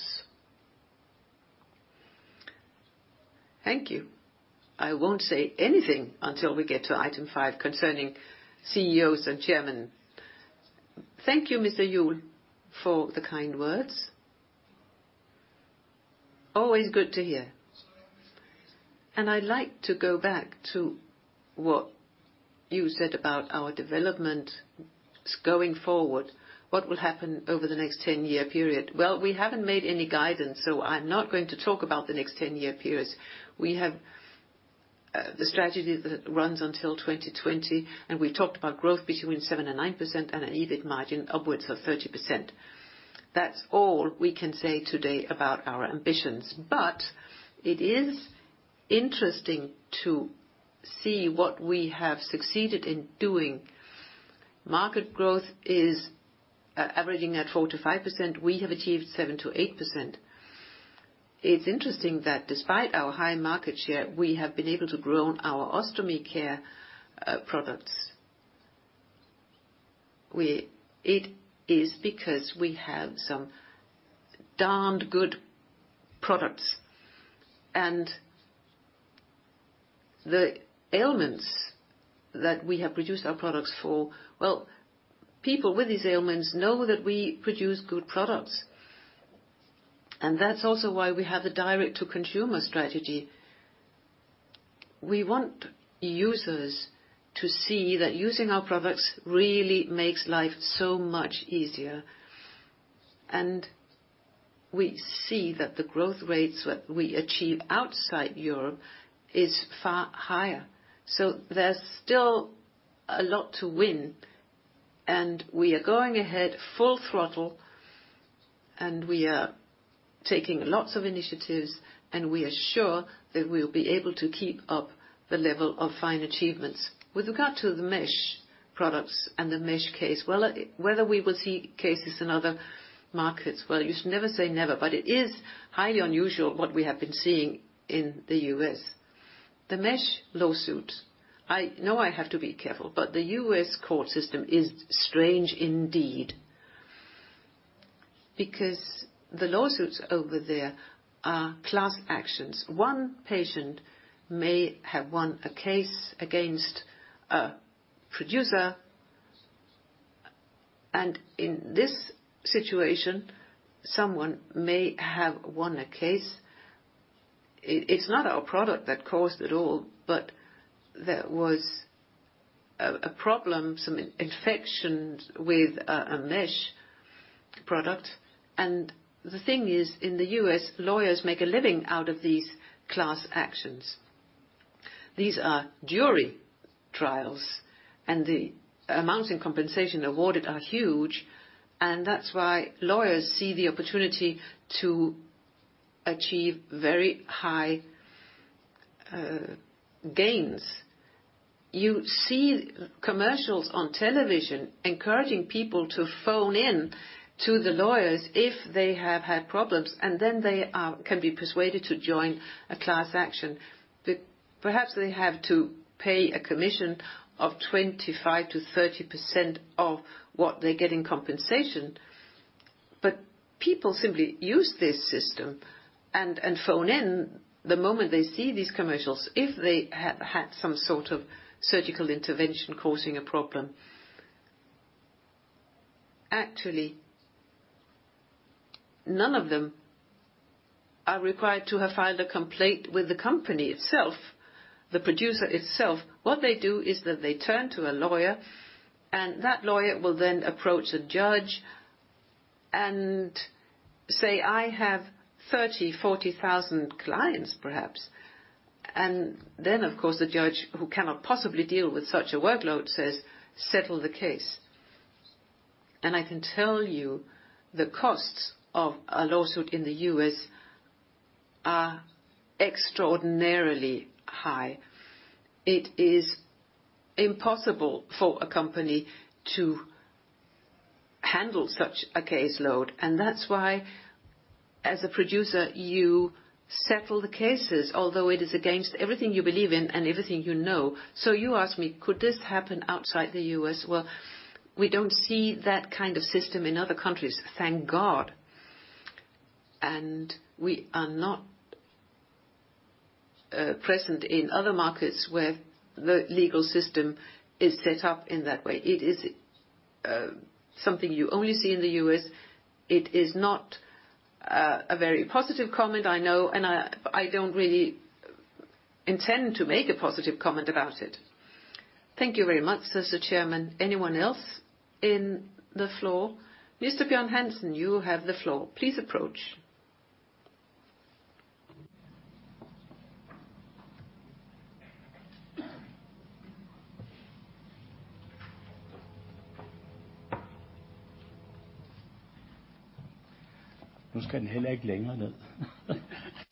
Thank you. I won't say anything until we get to item five concerning CEOs and Chairman. Thank you, Mr. Juul, for the kind words. Always good to hear. I'd like to go back to what you said about our development going forward. What will happen over the next 10-year period? Well, we haven't made any guidance, so I'm not going to talk about the next 10-year periods. We have the strategy that runs until 2020. We talked about growth between 7%-9% and an EBIT margin upwards of 30%. That's all we can say today about our ambitions. It is interesting to see what we have succeeded in doing. Market growth is averaging at 4%-5%. We have achieved 7%-8%. It's interesting that despite our high market share, we have been able to grow our Ostomy Care products. It is because we have some darned good products. The ailments that we have produced our products for, well, people with these ailments know that we produce good products. That's also why we have the direct-to-consumer strategy. We want users to see that using our products really makes life so much easier. We see that the growth rates that we achieve outside Europe is far higher. There's still a lot to win. We are going ahead, full throttle. We are taking lots of initiatives, and we are sure that we'll be able to keep up the level of fine achievements. With regard to the mesh products and the mesh case, well, whether we will see cases in other markets, well, you should never say never. It is highly unusual what we have been seeing in the U.S. The mesh lawsuits, I know I have to be careful. The U.S. court system is strange indeed, because the lawsuits over there are class actions. One patient may have won a case against a producer, and in this situation, someone may have won a case. It's not our product that caused it all, but there was a problem, some infections with a mesh product. The thing is, in the U.S., lawyers make a living out of these class actions. These are jury trials, and the amounts in compensation awarded are huge, and that's why lawyers see the opportunity to achieve very high gains. You see commercials on television encouraging people to phone in to the lawyers if they have had problems, and then they can be persuaded to join a class action. Perhaps they have to pay a commission of 25%-30% of what they get in compensation, people simply use this system and phone in the moment they see these commercials, if they have had some sort of surgical intervention causing a problem. Actually, none of them are required to have filed a complaint with the company itself, the producer itself. What they do is that they turn to a lawyer, and that lawyer will then approach a judge and say, "I have 30,000, 40,000 clients," perhaps. Then, of course, the judge, who cannot possibly deal with such a workload, says, "Settle the case." I can tell you, the costs of a lawsuit in the U.S. are extraordinarily high. It is impossible for a company to handle such a caseload. As a producer, you settle the cases, although it is against everything you believe in and everything you know. You ask me: Could this happen outside the U.S.? Well, we don't see that kind of system in other countries, thank God. We are not present in other markets where the legal system is set up in that way. It is something you only see in the U.S. It is not a very positive comment, I know, and I don't really intend to make a positive comment about it. Thank you very much, Mr. Chairman. Anyone else in the floor? Mr. Bjørn Hansen, you have the floor. Please approach.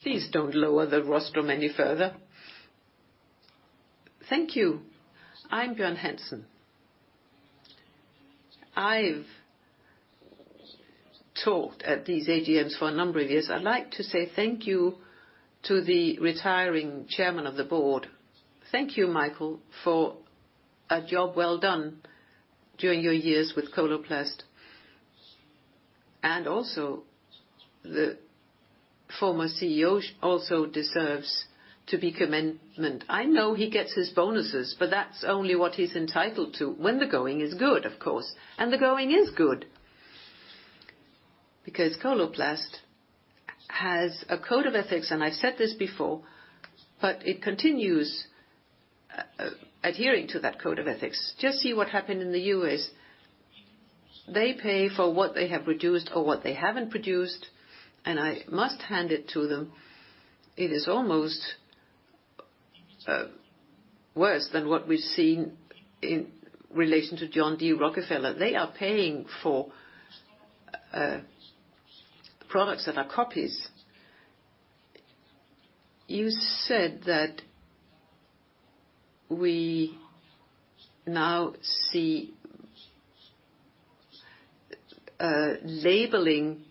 Please don't lower the rostrum any further. Thank you. I'm Bjørn Hansen. I've talked at these AGMs for a number of years. I'd like to say thank you to the retiring Chairman of the Board. Thank you, Michael, for a job well done during your years with Coloplast. The former CEO also deserves to be commencement. I know he gets his bonuses, that's only what he's entitled to when the going is good, of course, and the going is good. Coloplast has a Code of Ethics, I've said this before, it continues adhering to that Code of Ethics. Just see what happened in the U.S. They pay for what they have produced or what they haven't produced, I must hand it to them, it is almost worse than what we've seen in relation to John D. Rockefeller. They are paying for products that are copies. You said that we now see labeling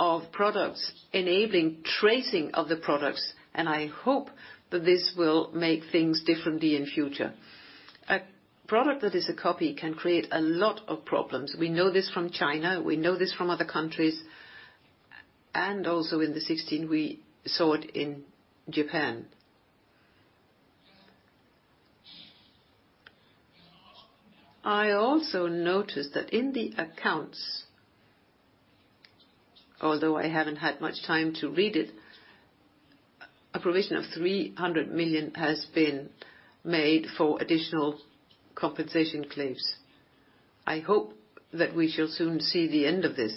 of products, enabling tracing of the products, and I hope that this will make things differently in future. A product that is a copy can create a lot of problems. We know this from China, we know this from other countries, and also in the 16, we saw it in Japan. I also noticed that in the accounts, although I haven't had much time to read it, a provision of 300 million has been made for additional compensation claims. I hope that we shall soon see the end of this.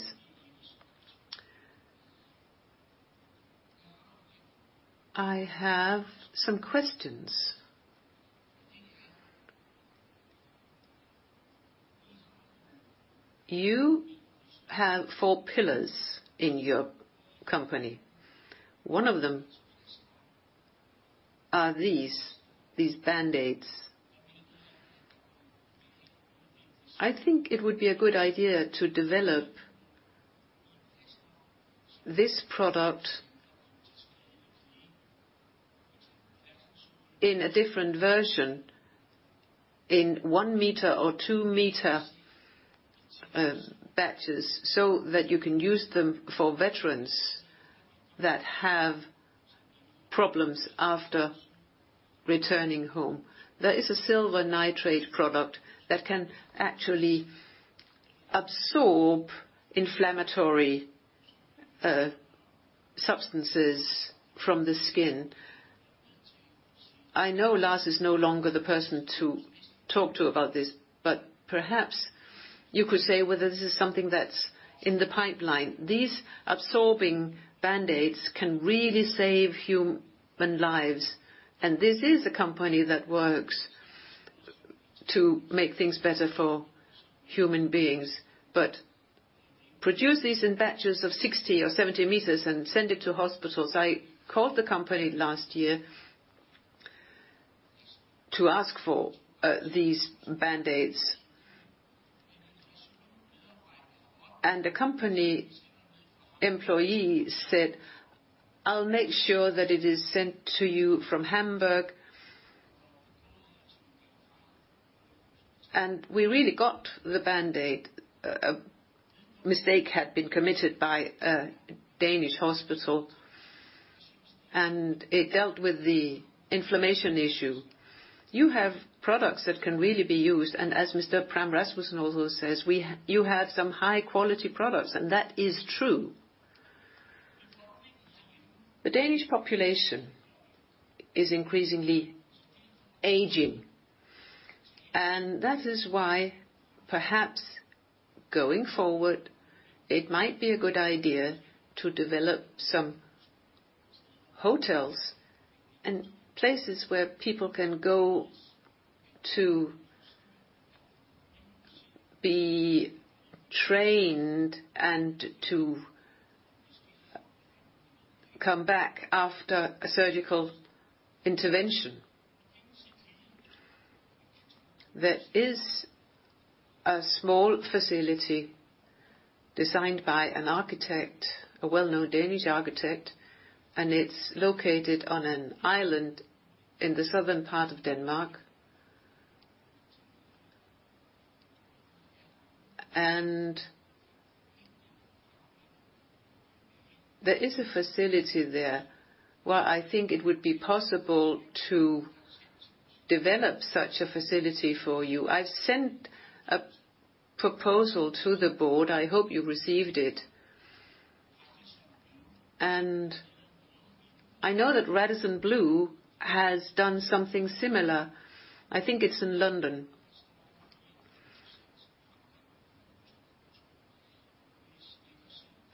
I have some questions. You have four pillars in your company. One of them are these Band-Aids. I think it would be a good idea to develop this product in a different version, in 1 m or 2 m, batches, so that you can use them for veterans that have problems after returning home. There is a silver nitrate product that can actually absorb inflammatory substances from the skin. I know Lars is no longer the person to talk to about this, but perhaps you could say whether this is something that's in the pipeline. These absorbing Band-Aids can really save human lives, and this is a company that works to make things better for human beings. Produce these in batches of 60 m or 70 m and send it to hospitals. I called the company last year to ask for these Band-Aids. The company employee said, "I'll make sure that it is sent to you from Hamburg." We really got the Band-Aid. A mistake had been committed by a Danish hospital, and it dealt with the inflammation issue. You have products that can really be used, and as Mr. Pram Rasmussen also says, "You have some high quality products," and that is true. The Danish population is increasingly aging, and that is why, perhaps going forward, it might be a good idea to develop some hotels and places where people can go to be trained and to come back after a surgical intervention. That is a small facility designed by an architect, a well-known Danish architect, and it's located on an island in the southern part of Denmark. There is a facility there, where I think it would be possible to develop such a facility for you. I've sent a proposal to the board. I hope you received it. I know that Radisson Blu has done something similar. I think it's in London.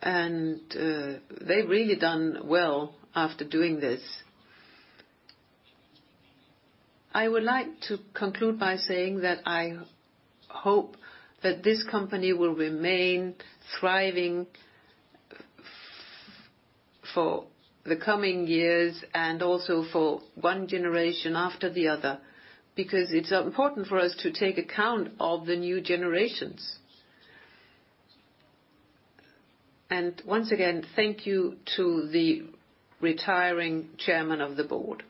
They've really done well after doing this. I would like to conclude by saying that I hope that this company will remain thriving for the coming years and also for one generation after the other, because it's important for us to take account of the new generations. Once again, thank you to the retiring Chairman of the Board.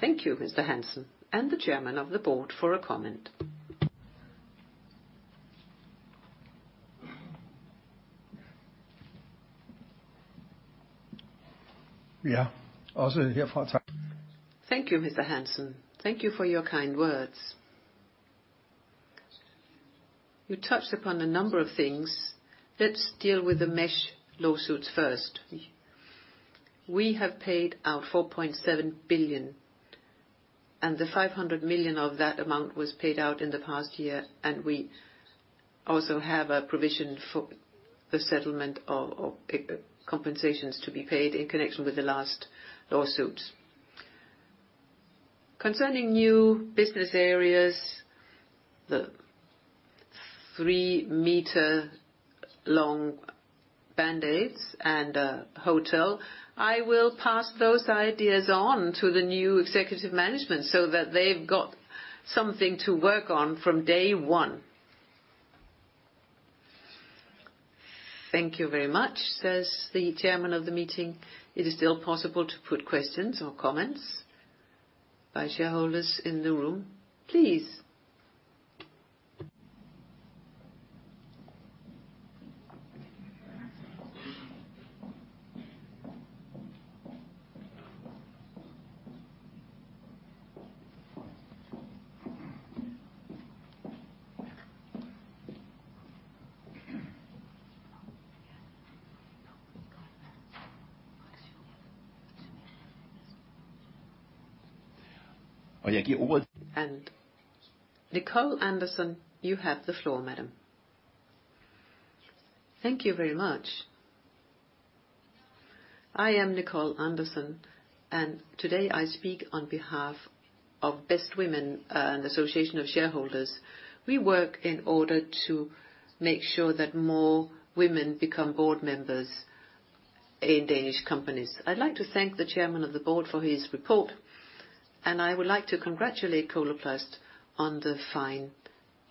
Thank you, Mr. Hansen, and the Chairman of the Board for a comment. Yeah. Thank you, Mr. Hansen. Thank you for your kind words. You touched upon a number of things. Let's deal with the mesh lawsuits first. We have paid our 4.7 billion, and the 500 million of that amount was paid out in the past year, and we also have a provision for the settlement of compensations to be paid in connection with the last lawsuits. Concerning new business areas, the three-meter long Band-Aids and a hotel, I will pass those ideas on to the new executive management so that they've got something to work on from day one. Thank you very much, says the Chairman of the meeting. It is still possible to put questions or comments by shareholders in the room, please. Nicole Andersson, you have the floor, Madam. Thank you very much. I am Nicole Andersson, and today I speak on behalf of Best Women, an association of shareholders. We work in order to make sure that more women become board members in Danish companies. I'd like to thank the Chairman of the Board for his report. I would like to congratulate Coloplast on the fine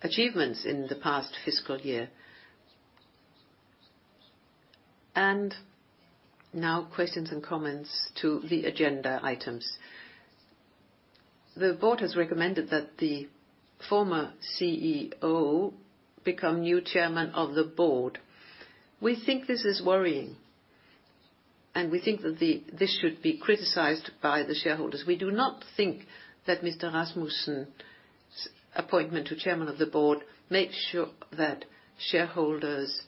achievements in the past fiscal year. Now, questions and comments to the agenda items. The board has recommended that the former CEO become new Chairman of the Board. We think this is worrying, and we think that this should be criticized by the shareholders. We do not think that Mr. Rasmussen's appointment to Chairman of the Board makes sure that shareholders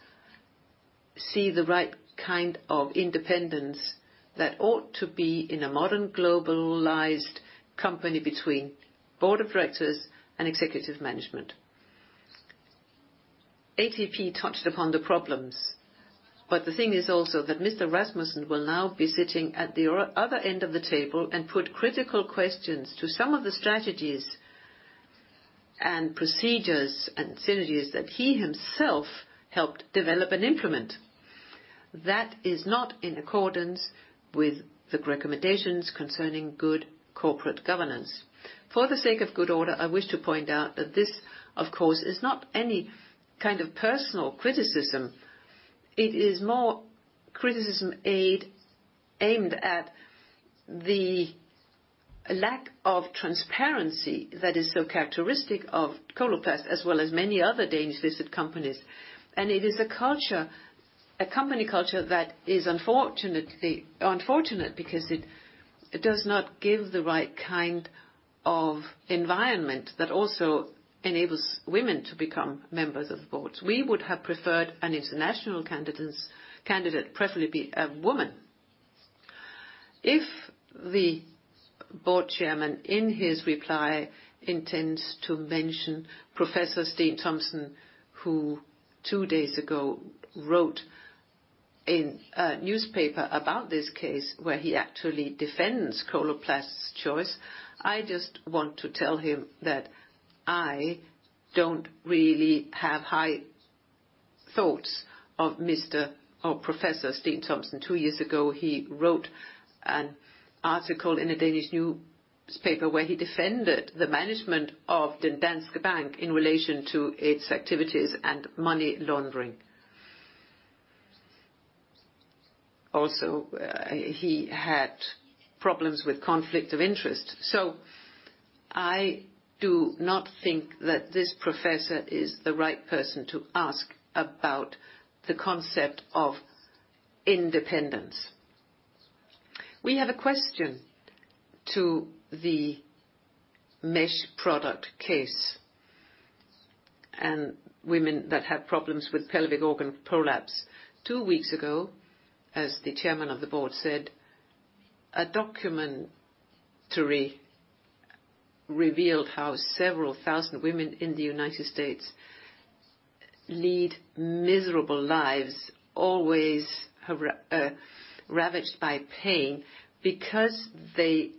see the right kind of independence that ought to be in a modern, globalized company between Board of Directors and executive management. ATP touched upon the problems, but the thing is also that Mr. Rasmussen will now be sitting at the other end of the table and put critical questions to some of the strategies and procedures and synergies that he himself helped develop and implement. That is not in accordance with the recommendations concerning good corporate governance. For the sake of good order, I wish to point out that this, of course, is not any kind of personal criticism. It is more criticism aimed at the lack of transparency that is so characteristic of Coloplast, as well as many other Danish listed companies. It is a culture, a company culture that is unfortunately, unfortunate because it does not give the right kind of environment that also enables women to become members of the boards. We would have preferred an international candidate, preferably a woman. If the Board Chairman, in his reply, intends to mention Professor Steen Thomsen, who two days ago wrote in a newspaper about this case, where he actually defends Coloplast's choice. I just want to tell him that I don't really have high thoughts of Mr. or Professor Steen Thomsen. Two years ago, he wrote an article in a Danish newspaper, where he defended the management of Danske Bank in relation to its activities and money laundering. Also, he had problems with conflict of interest. I do not think that this professor is the right person to ask about the concept of independence. We have a question to the mesh product case, and women that have problems with pelvic organ prolapse. Two weeks ago, as the Chairman of the Board said, a documentary revealed how several thousand women in the United States lead miserable lives, always have, ravaged by pain because they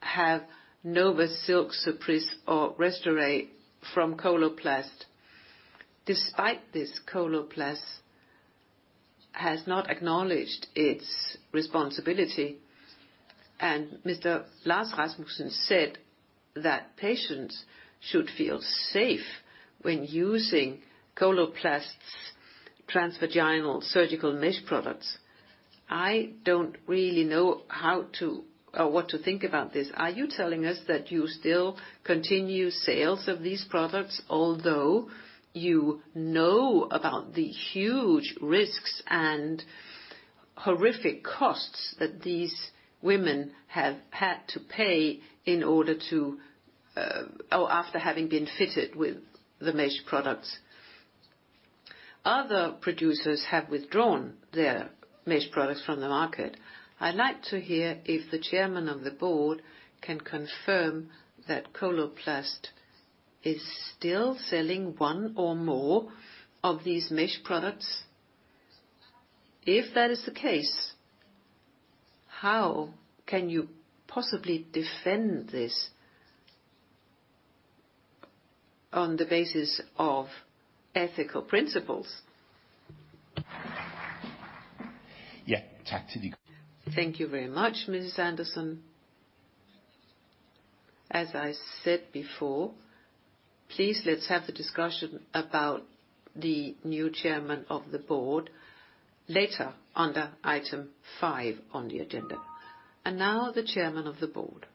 have Novasilk, Supris, or Restorelle from Coloplast. Despite this, Coloplast has not acknowledged its responsibility, and Mr. Lars Rasmussen said that patients should feel safe when using Coloplast's transvaginal surgical mesh products. I don't really know how to or what to think about this. Are you telling us that you still continue sales of these products, although you know about the huge risks and horrific costs that these women have had to pay in order to, Oh, after having been fitted with the mesh products? Other producers have withdrawn their mesh products from the market. I'd like to hear if the Chairman of the Board can confirm that Coloplast is still selling one or more of these mesh products? If that is the case, how can you possibly defend this on the basis of ethical principles? Yeah, talk to. Thank you very much, Ms. Andersson. As I said before, please, let's have the discussion about the new Chairman of the Board later under item five on the agenda. Now the Chairman of the Board.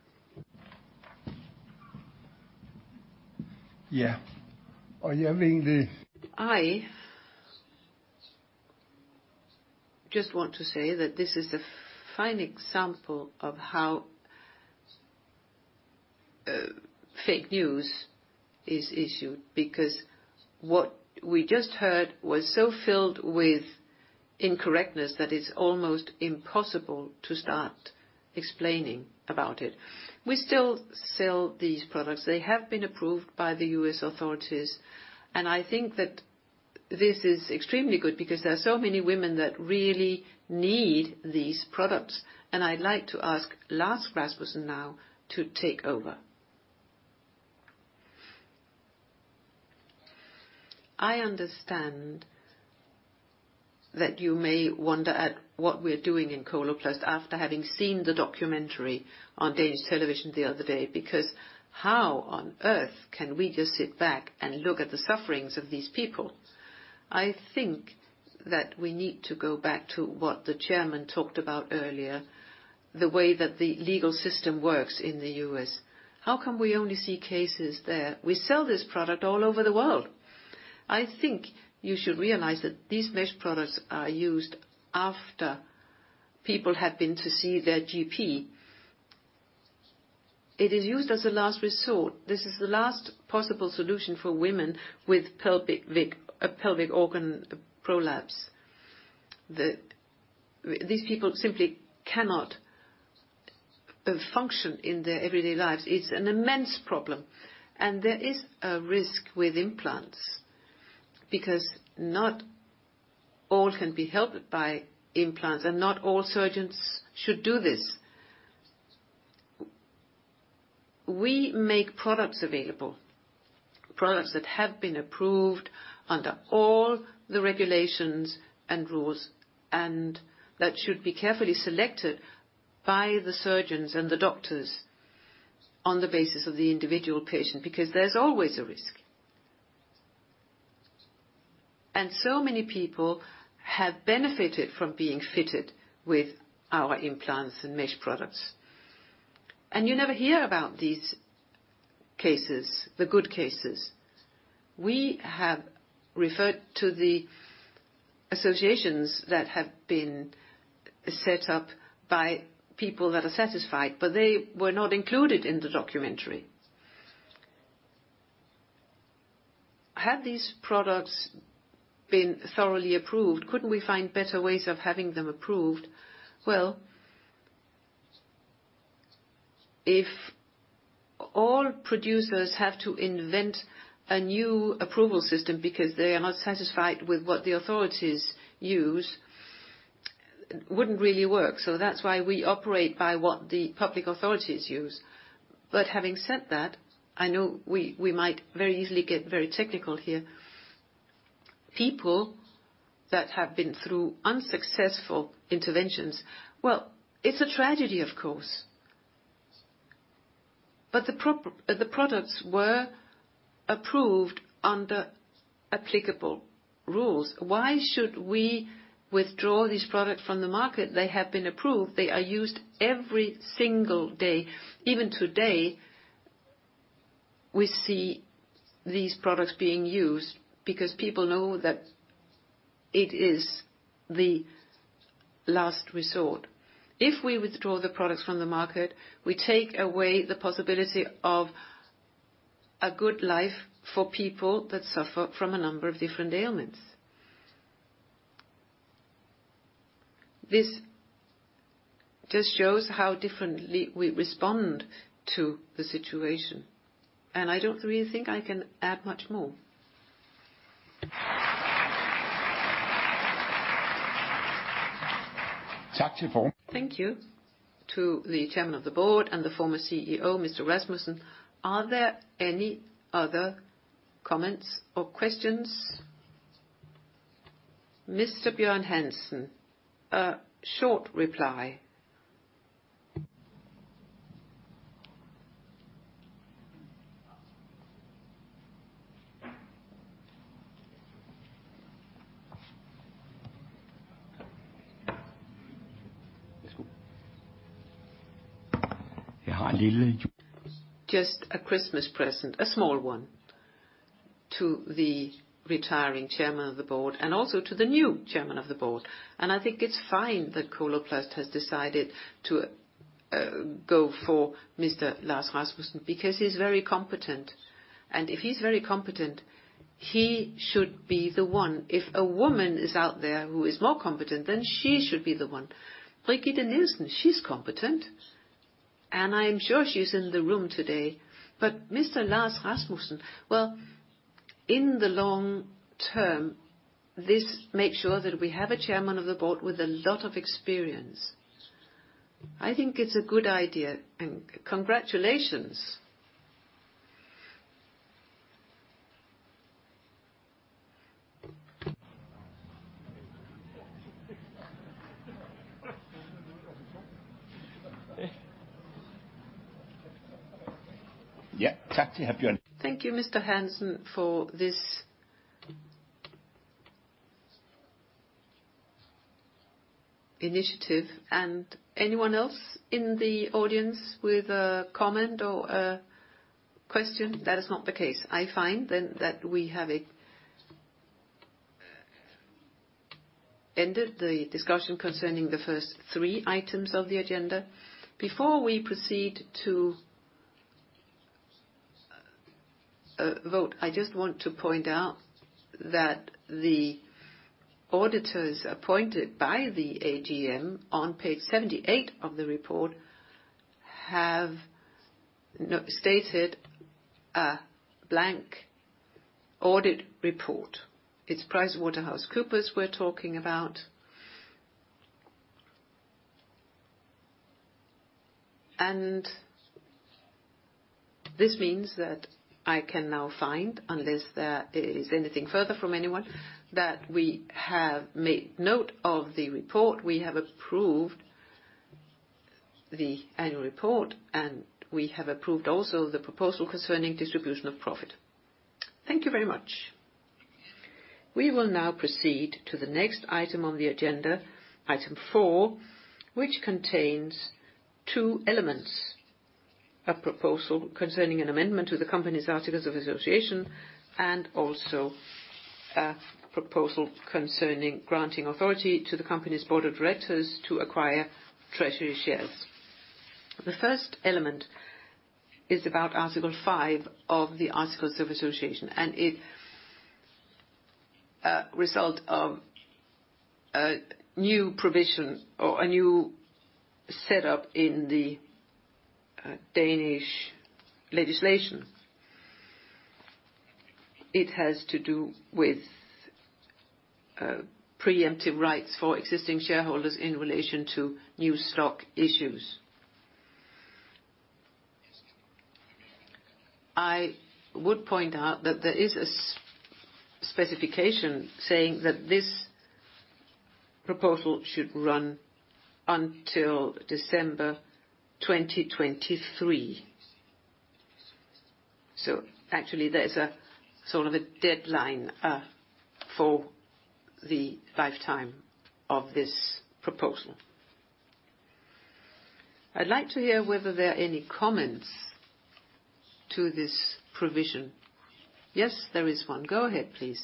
Yeah. Are you having. I just want to say that this is a fine example of how fake news is issued, because what we just heard was so filled with incorrectness that it's almost impossible to start explaining about it. We still sell these products. They have been approved by the U.S. authorities. I think that this is extremely good because there are so many women that really need these products. I'd like to ask Lars Rasmussen now to take over. I understand that you may wonder at what we're doing in Coloplast after having seen the documentary on Danish television the other day, because how on earth can we just sit back and look at the sufferings of these people? I think that we need to go back to what the Chairman talked about earlier, the way that the legal system works in the U.S. How come we only see cases there? We sell this product all over the world. I think you should realize that these mesh products are used after people have been to see their GP. It is used as a last resort. This is the last possible solution for women with pelvic organ prolapse. These people simply cannot function in their everyday lives. It's an immense problem. There is a risk with implants because not all can be helped by implants, and not all surgeons should do this. We make products available, products that have been approved under all the regulations and rules, and that should be carefully selected by the surgeons and the doctors on the basis of the individual patient, because there's always a risk. So many people have benefited from being fitted with our implants and mesh products. You never hear about these cases, the good cases. We have referred to the associations that have been set up by people that are satisfied, but they were not included in the documentary. Have these products been thoroughly approved? Couldn't we find better ways of having them approved? If all producers have to invent a new approval system because they are not satisfied with what the authorities use, wouldn't really work. That's why we operate by what the public authorities use. Having said that, I know we might very easily get very technical here. People that have been through unsuccessful interventions, well, it's a tragedy, of course, but the products were approved under applicable rules. Why should we withdraw this product from the market? They have been approved. They are used every single day. Even today, we see these products being used because people know that it is the last resort. If we withdraw the products from the market, we take away the possibility of a good life for people that suffer from a number of different ailments. This just shows how differently we respond to the situation, and I don't really think I can add much more. Thank you to the Chairman of the Board and the former CEO, Mr. Rasmussen. Are there any other comments or questions? Mr. Bjørn Hansen, a short reply. Just a Christmas present, a small one, to the retiring Chairman of the Board and also to the new Chairman of the Board. I think it's fine that Coloplast has decided to go for Mr. Lars Rasmussen, because he's very competent, and if he's very competent, he should be the one. If a woman is out there who is more competent, then she should be the one. Birgitte Nielsen, she's competent, I am sure she's in the room today. Mr. Lars Rasmussen, well, in the long term, this makes sure that we have a Chairman of the Board with a lot of experience. I think it's a good idea. Congratulations. Thank you, Mr. Hansen, for this initiative. Anyone else in the audience with a comment or a question? That is not the case. I find then, that we have ended the discussion concerning the first three items of the agenda. Before we proceed to vote, I just want to point out that the auditors appointed by the AGM on page 78 of the report, have not stated a blank audit report. It's PricewaterhouseCoopers we're talking about. This means that I can now find, unless there is anything further from anyone, that we have made note of the report, we have approved the annual report, and we have approved also the proposal concerning distribution of profit. Thank you very much. We will now proceed to the next item on the agenda, item four, which contains two elements: a proposal concerning an amendment to the Company's Articles of Association, and also a proposal concerning granting authority to the Company's Board of Directors to acquire treasury shares. The first element is about Article 5 of the Articles of Association, and it a result of a new provision or a new setup in the Danish legislation. It has to do with preemptive rights for existing shareholders in relation to new stock issues. I would point out that there is a specification saying that this proposal should run until December 2023. Actually, there's a sort of a deadline for the lifetime of this proposal. I'd like to hear whether there are any comments to this provision. Yes, there is one. Go ahead, please.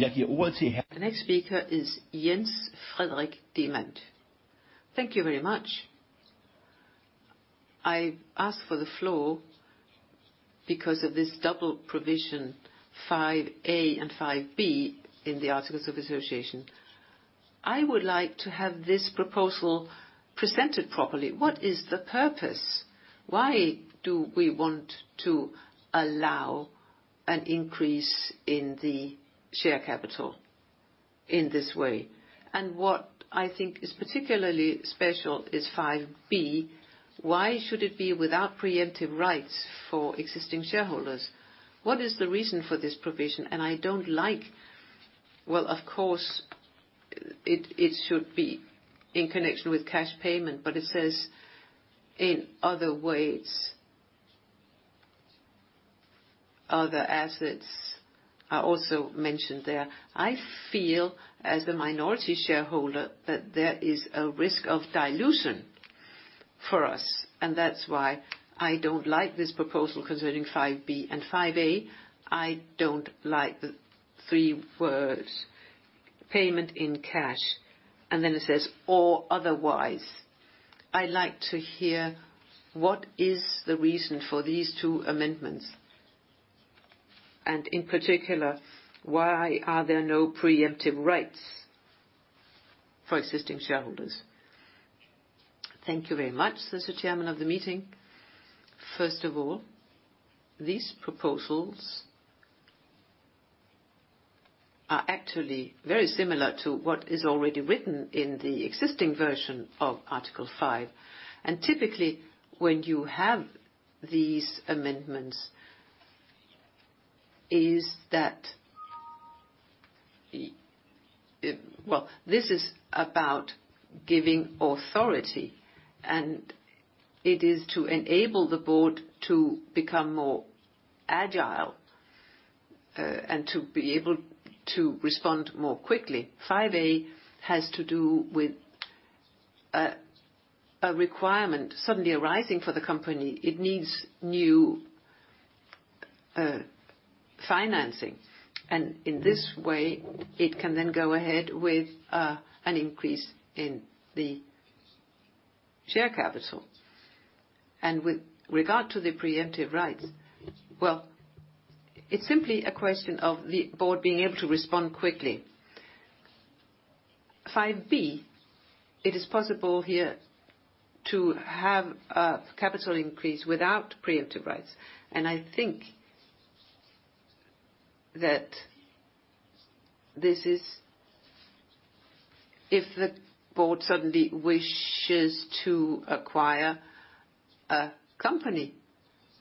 The next speaker is Jens Frederik Demant. Thank you very much. I asked for the floor because of this double provision, 5A and 5B, in the Articles of Association. I would like to have this proposal presented properly. What is the purpose? Why do we want to allow an increase in the share capital in this way? What I think is particularly special is 5B. Why should it be without preemptive rights for existing shareholders? What is the reason for this provision? I don't like. Well, of course, it should be in connection with cash payment, but it says, "In other ways," other assets are also mentioned there. I feel, as the minority shareholder, that there is a risk of dilution for us, and that's why I don't like this proposal concerning 5B and 5A. I don't like the three words, "payment in cash," and then it says, "or otherwise." I'd like to hear what is the reason for these two amendments, and in particular, why are there no preemptive rights for existing shareholders? Thank you very much, Mr. Chairman of the meeting. First of all, these proposals are actually very similar to what is already written in the existing version of Article 5. Typically, when you have these amendments, is that. Well, this is about giving authority, it is to enable the board to become more agile, and to be able to respond more quickly. 5A has to do with a requirement suddenly arising for the company. It needs new financing, in this way, it can then go ahead with an increase in the share capital. With regard to the preemptive rights, well, it's simply a question of the board being able to respond quickly. 5B, it is possible here to have a capital increase without preemptive rights. If the board suddenly wishes to acquire a company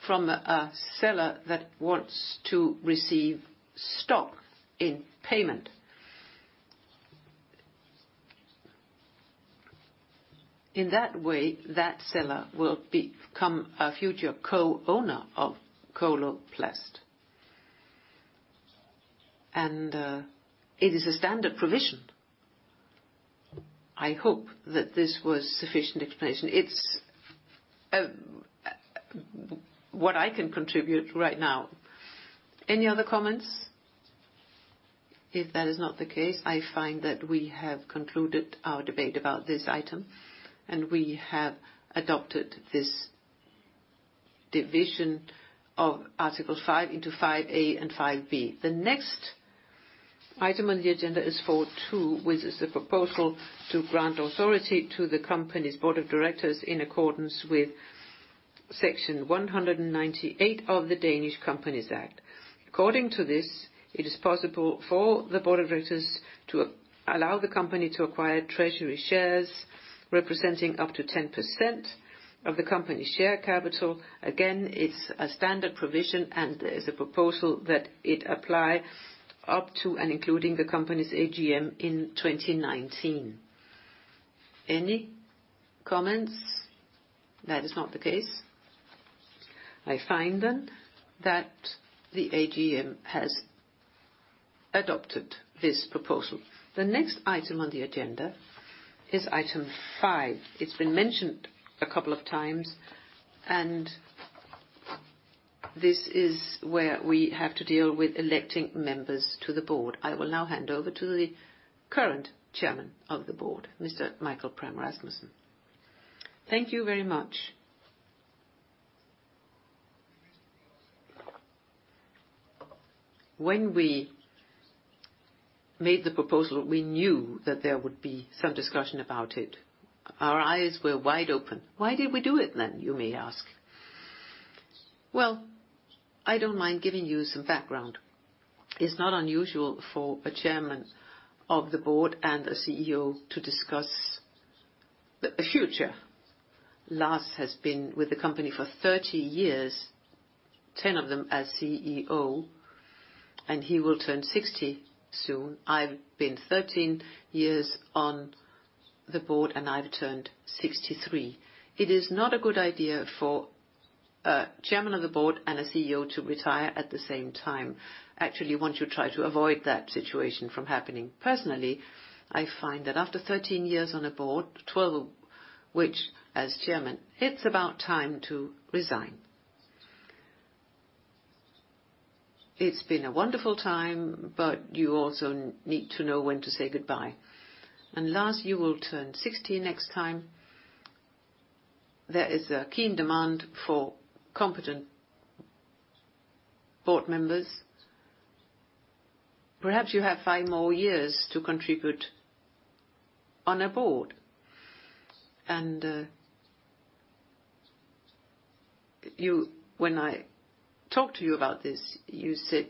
from a seller that wants to receive stock in payment. In that way, that seller will become a future co-owner of Coloplast, it is a standard provision. I hope that this was sufficient explanation. It's what I can contribute right now. Any other comments? If that is not the case, I find that we have concluded our debate about this item, and we have adopted this division of Article 5 into 5A and 5B. The next item on the agenda is for two, which is the proposal to grant authority to the company's board of directors in accordance with Section 198 of the Danish Companies Act. According to this, it is possible for the board of directors to allow the company to acquire treasury shares, representing up to 10% of the company's share capital. Again, it's a standard provision, and there's a proposal that it apply up to, and including the company's AGM in 2019. Any comments? That is not the case. I find then, that the AGM has adopted this proposal. The next item on the agenda is item five. It's been mentioned a couple of times. This is where we have to deal with electing members to the board. I will now hand over to the current Chairman of the Board, Mr. Michael Pram Rasmussen. Thank you very much. When we made the proposal, we knew that there would be some discussion about it. Our eyes were wide open. Why did we do it then, you may ask? Well, I don't mind giving you some background. It's not unusual for a Chairman of the Board and a CEO to discuss the future. Lars has been with the company for 30 years, 10 of them as CEO. He will turn 60 soon. I've been 13 years on the board. I've turned 63. It is not a good idea for a Chairman of the Board and a CEO to retire at the same time. Actually, once you try to avoid that situation from happening. Personally, I find that after 13 years on a board, 12, which as Chairman, it's about time to resign. It's been a wonderful time, but you also need to know when to say goodbye. Lars, you will turn 60 next time. There is a keen demand for competent board members. Perhaps you have five more years to contribute on a board. When I talked to you about this, you said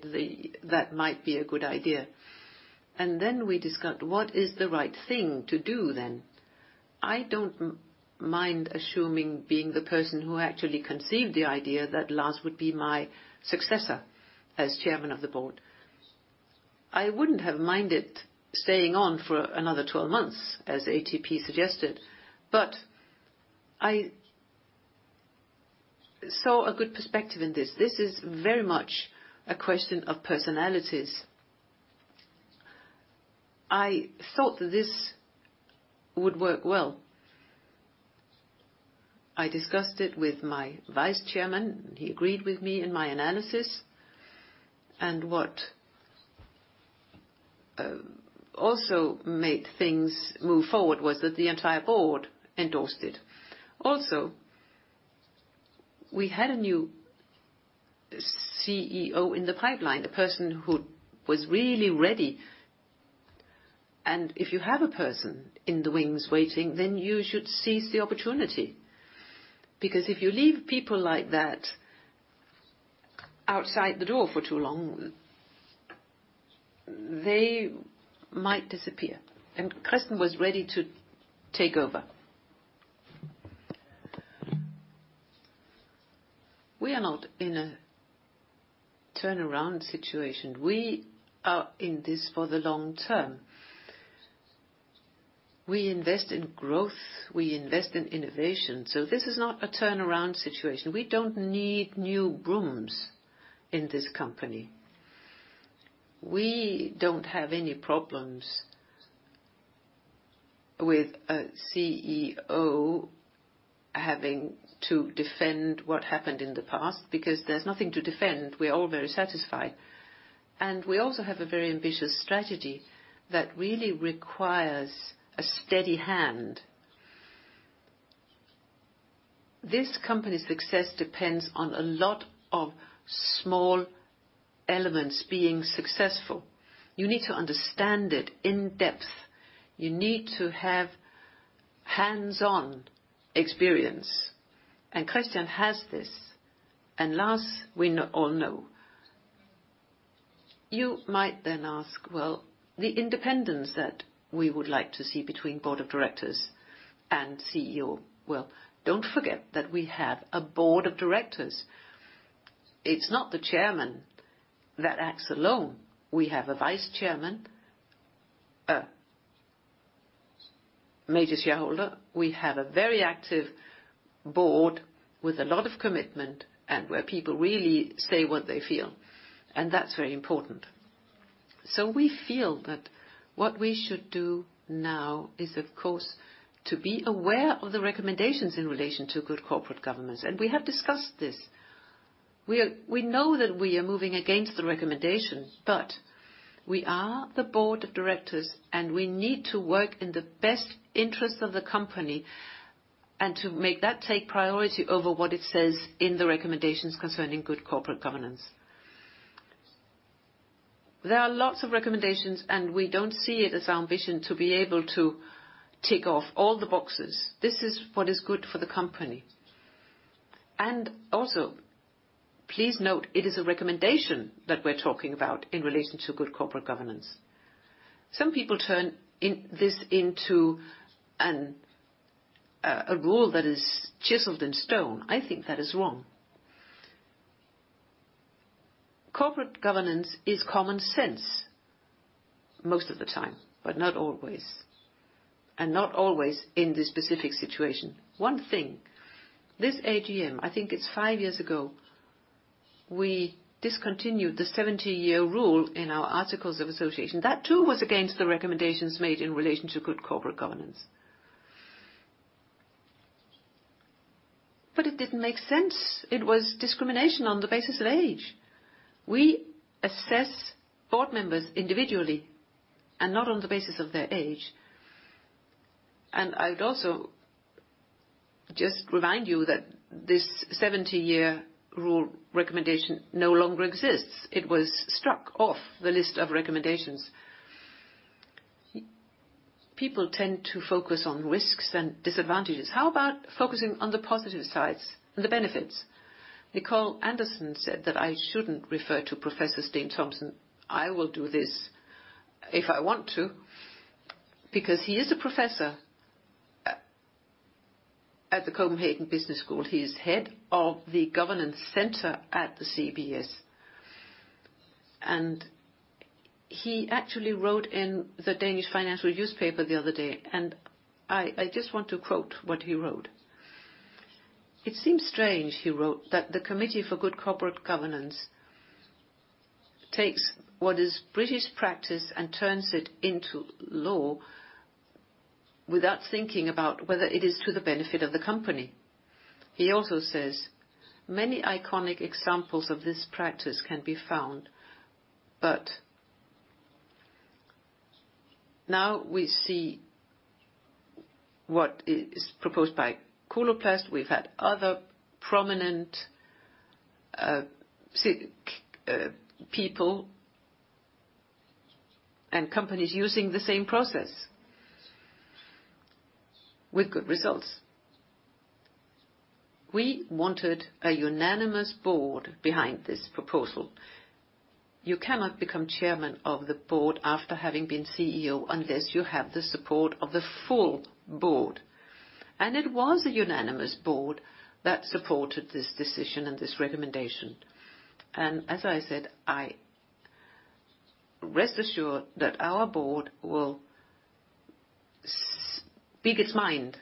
that might be a good idea. Then we discussed what is the right thing to do then? I don't mind assuming being the person who actually conceived the idea that Lars would be my successor as Chairman of the Board. I wouldn't have minded staying on for another 12 months, as ATP suggested. I saw a good perspective in this. This is very much a question of personalities. I thought that this would work well. I discussed it with my Vice Chairman. He agreed with me in my analysis, and what also made things move forward was that the entire board endorsed it. We had a new CEO in the pipeline, a person who was really ready. If you have a person in the wings waiting, then you should seize the opportunity. If you leave people like that outside the door for too long, they might disappear. Kristian was ready to take over. We are not in a turnaround situation. We are in this for the long term. We invest in growth, we invest in innovation. This is not a turnaround situation. We don't need new brooms in this company. We don't have any problems with a CEO having to defend what happened in the past, because there's nothing to defend. We are all very satisfied, and we also have a very ambitious strategy that really requires a steady hand. This company's success depends on a lot of small elements being successful. You need to understand it in depth. You need to have hands-on experience, and Kristian has this, and Lars, we all know. You might then ask, well, the independence that we would like to see between Board of Directors and CEO. Well, don't forget that we have a Board of Directors. It's not the Chairman that acts alone. We have a Vice Chairman, a major shareholder. We have a very active board with a lot of commitment and where people really say what they feel, and that's very important. We feel that what we should do now is, of course, to be aware of the recommendations in relation to good corporate governance, and we have discussed this. We know that we are moving against the recommendations, but we are the Board of Directors, and we need to work in the best interest of the company and to make that take priority over what it says in the recommendations concerning good corporate governance. There are lots of recommendations, and we don't see it as our ambition to be able to tick off all the boxes. This is what is good for the company. Also, please note, it is a recommendation that we're talking about in relation to good corporate governance. Some people turn in this into a rule that is chiseled in stone. I think that is wrong. Corporate governance is common sense most of the time, but not always, and not always in this specific situation. One thing, this AGM, I think it's five years ago, we discontinued the 70-year rule in our Articles of Association. It didn't make sense. It was discrimination on the basis of age. We assess board members individually and not on the basis of their age. I'd also just remind you that this 70-year rule recommendation no longer exists. It was struck off the list of recommendations. People tend to focus on risks and disadvantages. How about focusing on the positive sides and the benefits? Nicole Andersson said that I shouldn't refer to Professor Steen Thomsen. I will do this if I want to, because he is a professor at the Copenhagen Business School. He is head of the Center for Corporate Governance at CBS. He actually wrote in Danish financial newspaper the other day. I just want to quote what he wrote: "It seems strange," he wrote, "that the Committee on Corporate Governance takes what is British practice and turns it into law without thinking about whether it is to the benefit of the company." He also says, "Many iconic examples of this practice can be found." Now we see what is proposed by Coloplast. We've had other prominent people and companies using the same process with good results. We wanted a unanimous board behind this proposal. You cannot become Chairman of the Board after having been CEO, unless you have the support of the full board. It was a unanimous board that supported this decision and this recommendation. As I said, I... Rest assured that our board will speak its mind.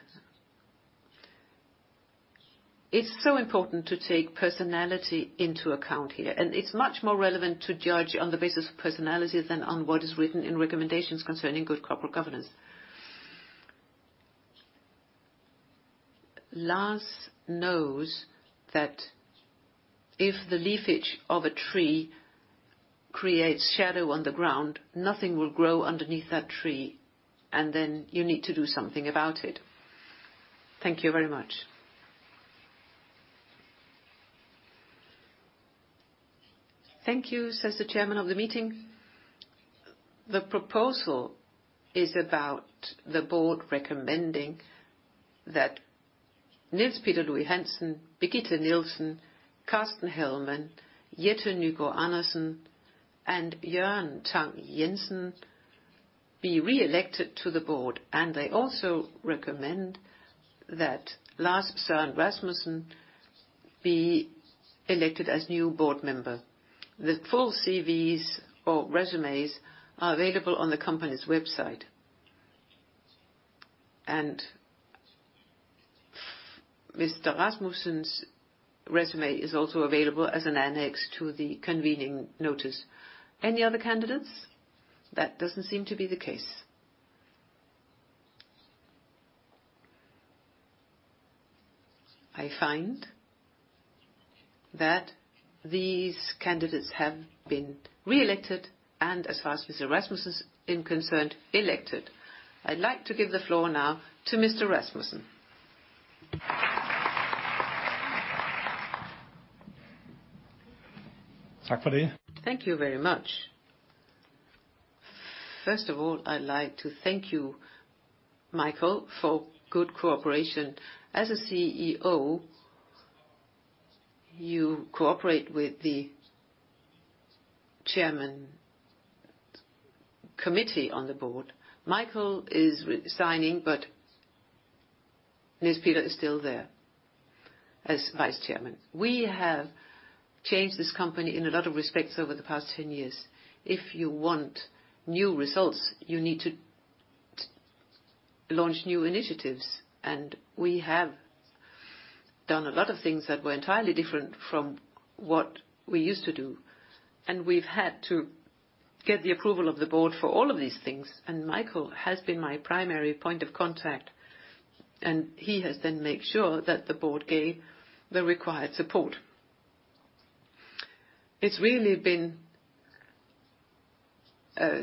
It's so important to take personality into account here, and it's much more relevant to judge on the basis of personality than on what is written in recommendations concerning good corporate governance. Lars knows that if the leafage of a tree creates shadow on the ground, nothing will grow underneath that tree, and then you need to do something about it. Thank you very much. Thank you, says the Chairman of the meeting. The proposal is about the board recommending that Niels Peter Louis-Hansen, Birgitte Nielsen, Carsten Hellmann, Jette Nygaard-Andersen, and Jørgen Tang-Jensen be re-elected to the board. They also recommend that Lars Søren Rasmussen be elected as new board member. The full CVs or resumes are available on the company's website. Mr. Rasmussen's resume is also available as an annex to the convening notice. Any other candidates? That doesn't seem to be the case. I find that these candidates have been re-elected, and as far as Mr. Rasmussen is concerned, elected. I'd like to give the floor now to Mr. Rasmussen. Tak for det. Thank you very much. First of all, I'd like to thank you, Michael, for good cooperation. As a CEO, you cooperate with the Chairman's committee on the board. Michael is resigning, but Niels Peter is still there as Vice Chairman. We have changed this company in a lot of respects over the past 10 years. If you want new results, you need to launch new initiatives. We have done a lot of things that were entirely different from what we used to do. We've had to get the approval of the board for all of these things. Michael has been my primary point of contact. He has then made sure that the board gave the required support. It's really been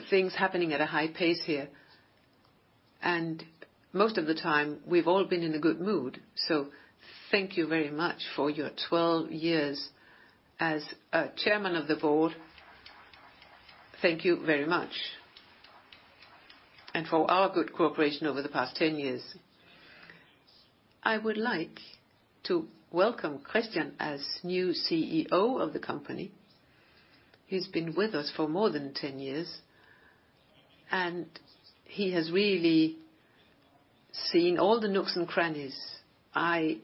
things happening at a high pace here. Most of the time, we've all been in a good mood. Thank you very much for your 12 years as Chairman of the Board. Thank you very much, and for our good cooperation over the past 10 years. I would like to welcome Kristian Villumsen as new CEO of the company. He's been with us for more than 10 years, and he has really seen all the nooks and crannies. I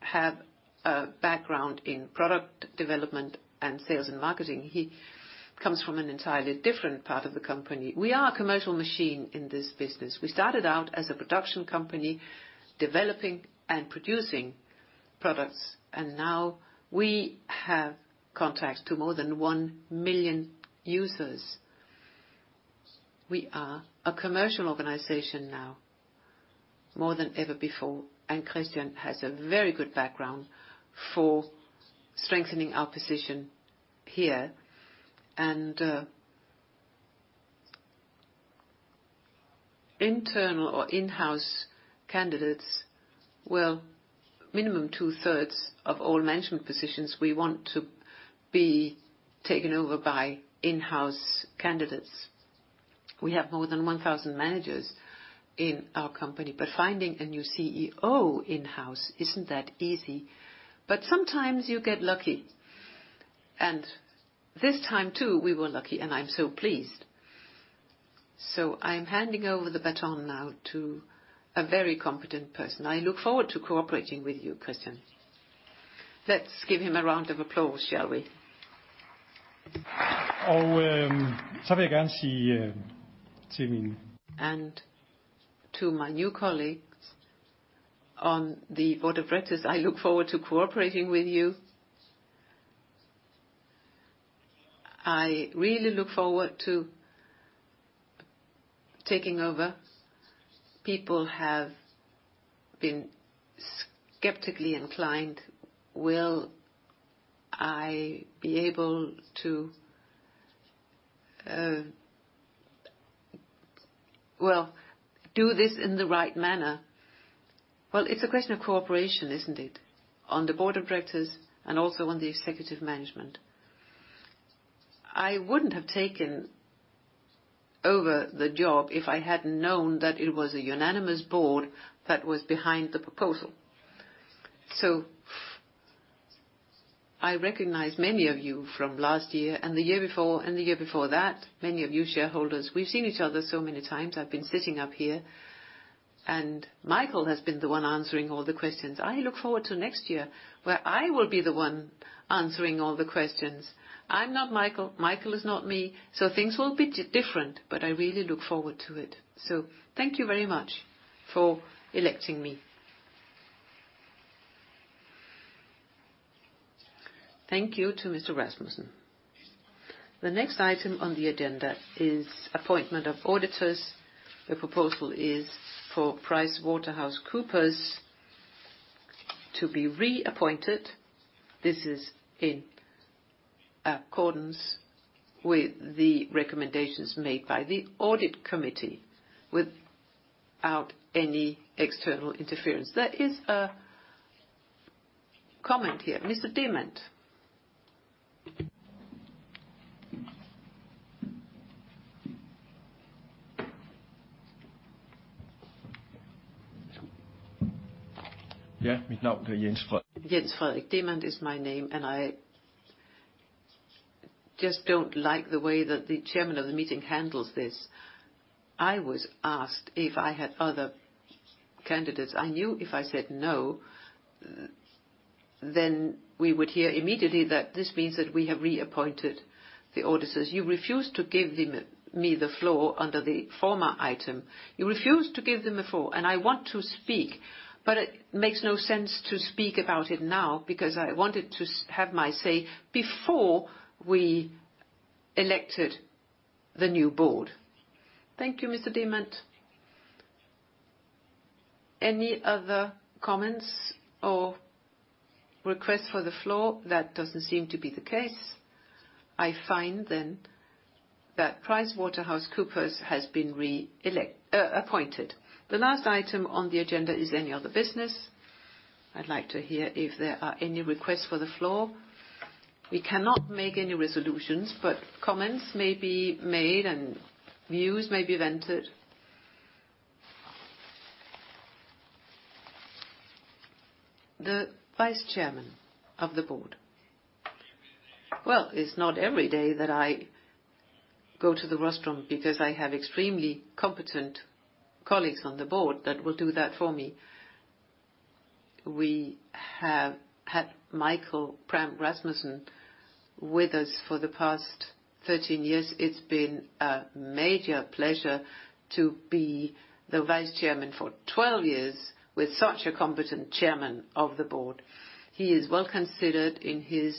have a background in product development and sales and marketing. He comes from an entirely different part of the company. We are a commercial machine in this business. We started out as a production company, developing and producing products, and now we have contacts to more than 1 million users. We are a commercial organization now more than ever before, and Kristian Villumsen has a very good background for strengthening our position here. Internal or in-house candidates, well, minimum 2/3 of all management positions, we want to be taken over by in-house candidates. We have more than 1,000 managers in our company, but finding a new CEO in-house isn't that easy. Sometimes you get lucky, and this time, too, we were lucky, and I'm so pleased. I'm handing over the baton now to a very competent person. I look forward to cooperating with you, Kristian. Let's give him a round of applause, shall we? I'm gonna say. To my new colleagues on the board of directors, I look forward to cooperating with you. I really look forward to taking over. People have been skeptically inclined. Will I be able to, well, do this in the right manner? Well, it's a question of cooperation, isn't it? On the board of directors and also on the executive management. I wouldn't have taken over the job if I hadn't known that it was a unanimous board that was behind the proposal. I recognize many of you from last year, and the year before, and the year before that. Many of you shareholders, we've seen each other so many times. I've been sitting up here, and Michael has been the one answering all the questions. I look forward to next year, where I will be the one answering all the questions. I'm not Michael is not me, so things will be different, but I really look forward to it. Thank you very much for electing me. Thank you to Mr. Rasmussen. The next item on the agenda is appointment of auditors. The proposal is for PricewaterhouseCoopers to be reappointed. This is in accordance with the recommendations made by the audit committee, without any external interference. There is a comment here, Mr. Demant. Yeah, with Dr. Jens Frederik. Jens Frederik Demant is my name. I just don't like the way that the Chairman of the meeting handles this. I was asked if I had other candidates. I knew if I said no, then we would hear immediately that this means that we have reappointed the auditors. You refused to give him, me the floor under the former item. You refused to give them the floor, and I want to speak, but it makes no sense to speak about it now, because I wanted to have my say before we elected the new board. Thank you, Mr. Demant. Any other comments or requests for the floor? That doesn't seem to be the case. I find then, that PricewaterhouseCoopers has been appointed. The last item on the agenda is any other business. I'd like to hear if there are any requests for the floor. We cannot make any resolutions, but comments may be made and views may be vented. The Vice Chairman of the Board. Well, it's not every day that I go to the rostrum, because I have extremely competent colleagues on the board that will do that for me. We have had Michael Pram Rasmussen with us for the past 13 years. It's been a major pleasure to be the Vice Chairman for 12 years with such a competent Chairman of the Board. He is well-considered in his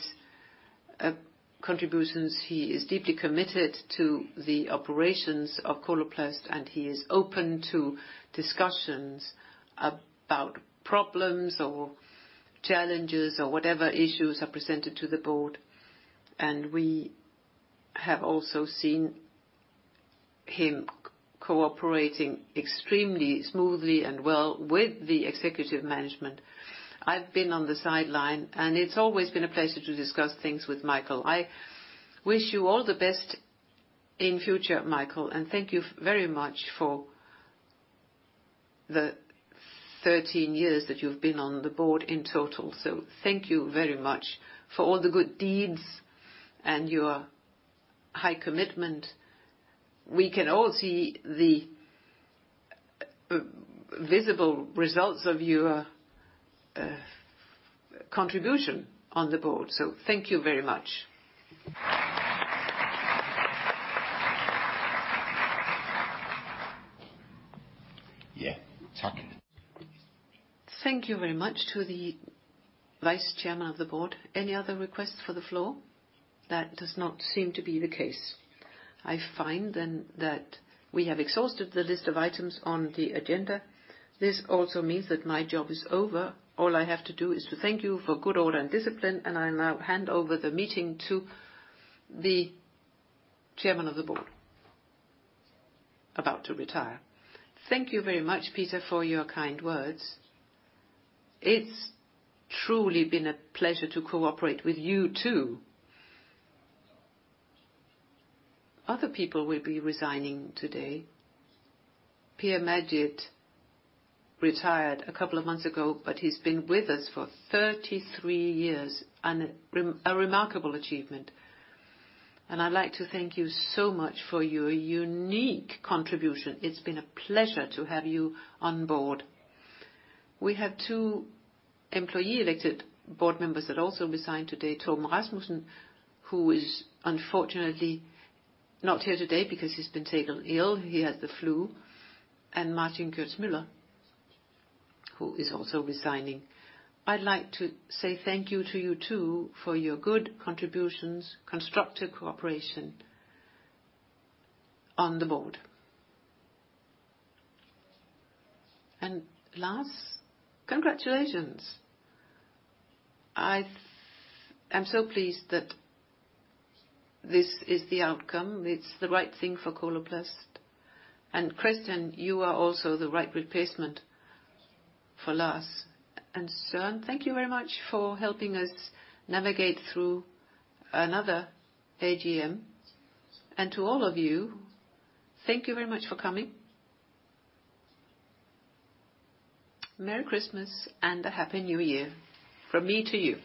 contributions. He is deeply committed to the operations of Coloplast, and he is open to discussions about problems or challenges or whatever issues are presented to the board, and we have also seen him cooperating extremely smoothly and well with the executive management. I've been on the sideline, and it's always been a pleasure to discuss things with Michael. I wish you all the best in future, Michael, and thank you very much for the 13 years that you've been on the board in total. Thank you very much for all the good deeds and your high commitment. We can all see the visible results of your contribution on the board, thank you very much. Yeah, thank you. Thank you very much to the Vice Chairman of the Board. Any other requests for the floor? That does not seem to be the case. I find that we have exhausted the list of items on the agenda. This also means that my job is over. All I have to do is to thank you for good order and discipline. I now hand over the meeting to the Chairman of the Board, about to retire. Thank you very much, Peter, for your kind words. It's truly been a pleasure to cooperate with you, too. Other people will be resigning today. Pierre-Yves Mégroz retired a couple of months ago, but he's been with us for 33 years, a remarkable achievement. I'd like to thank you so much for your unique contribution. It's been a pleasure to have you on board. We have 2 employee-elected board members that also resigned today, Torben Rasmussen, who is unfortunately not here today because he's been taken ill, he has the flu, and Martin Kurtz Møller, who is also resigning. I'd like to say thank you to you, too, for your good contributions, constructive cooperation on the board. Lars, congratulations! I am so pleased that this is the outcome. It's the right thing for Coloplast, Kristian, you are also the right replacement for Lars. Søren, thank you very much for helping us navigate through another AGM. To all of you, thank you very much for coming. Merry Christmas and a Happy New Year from me to you.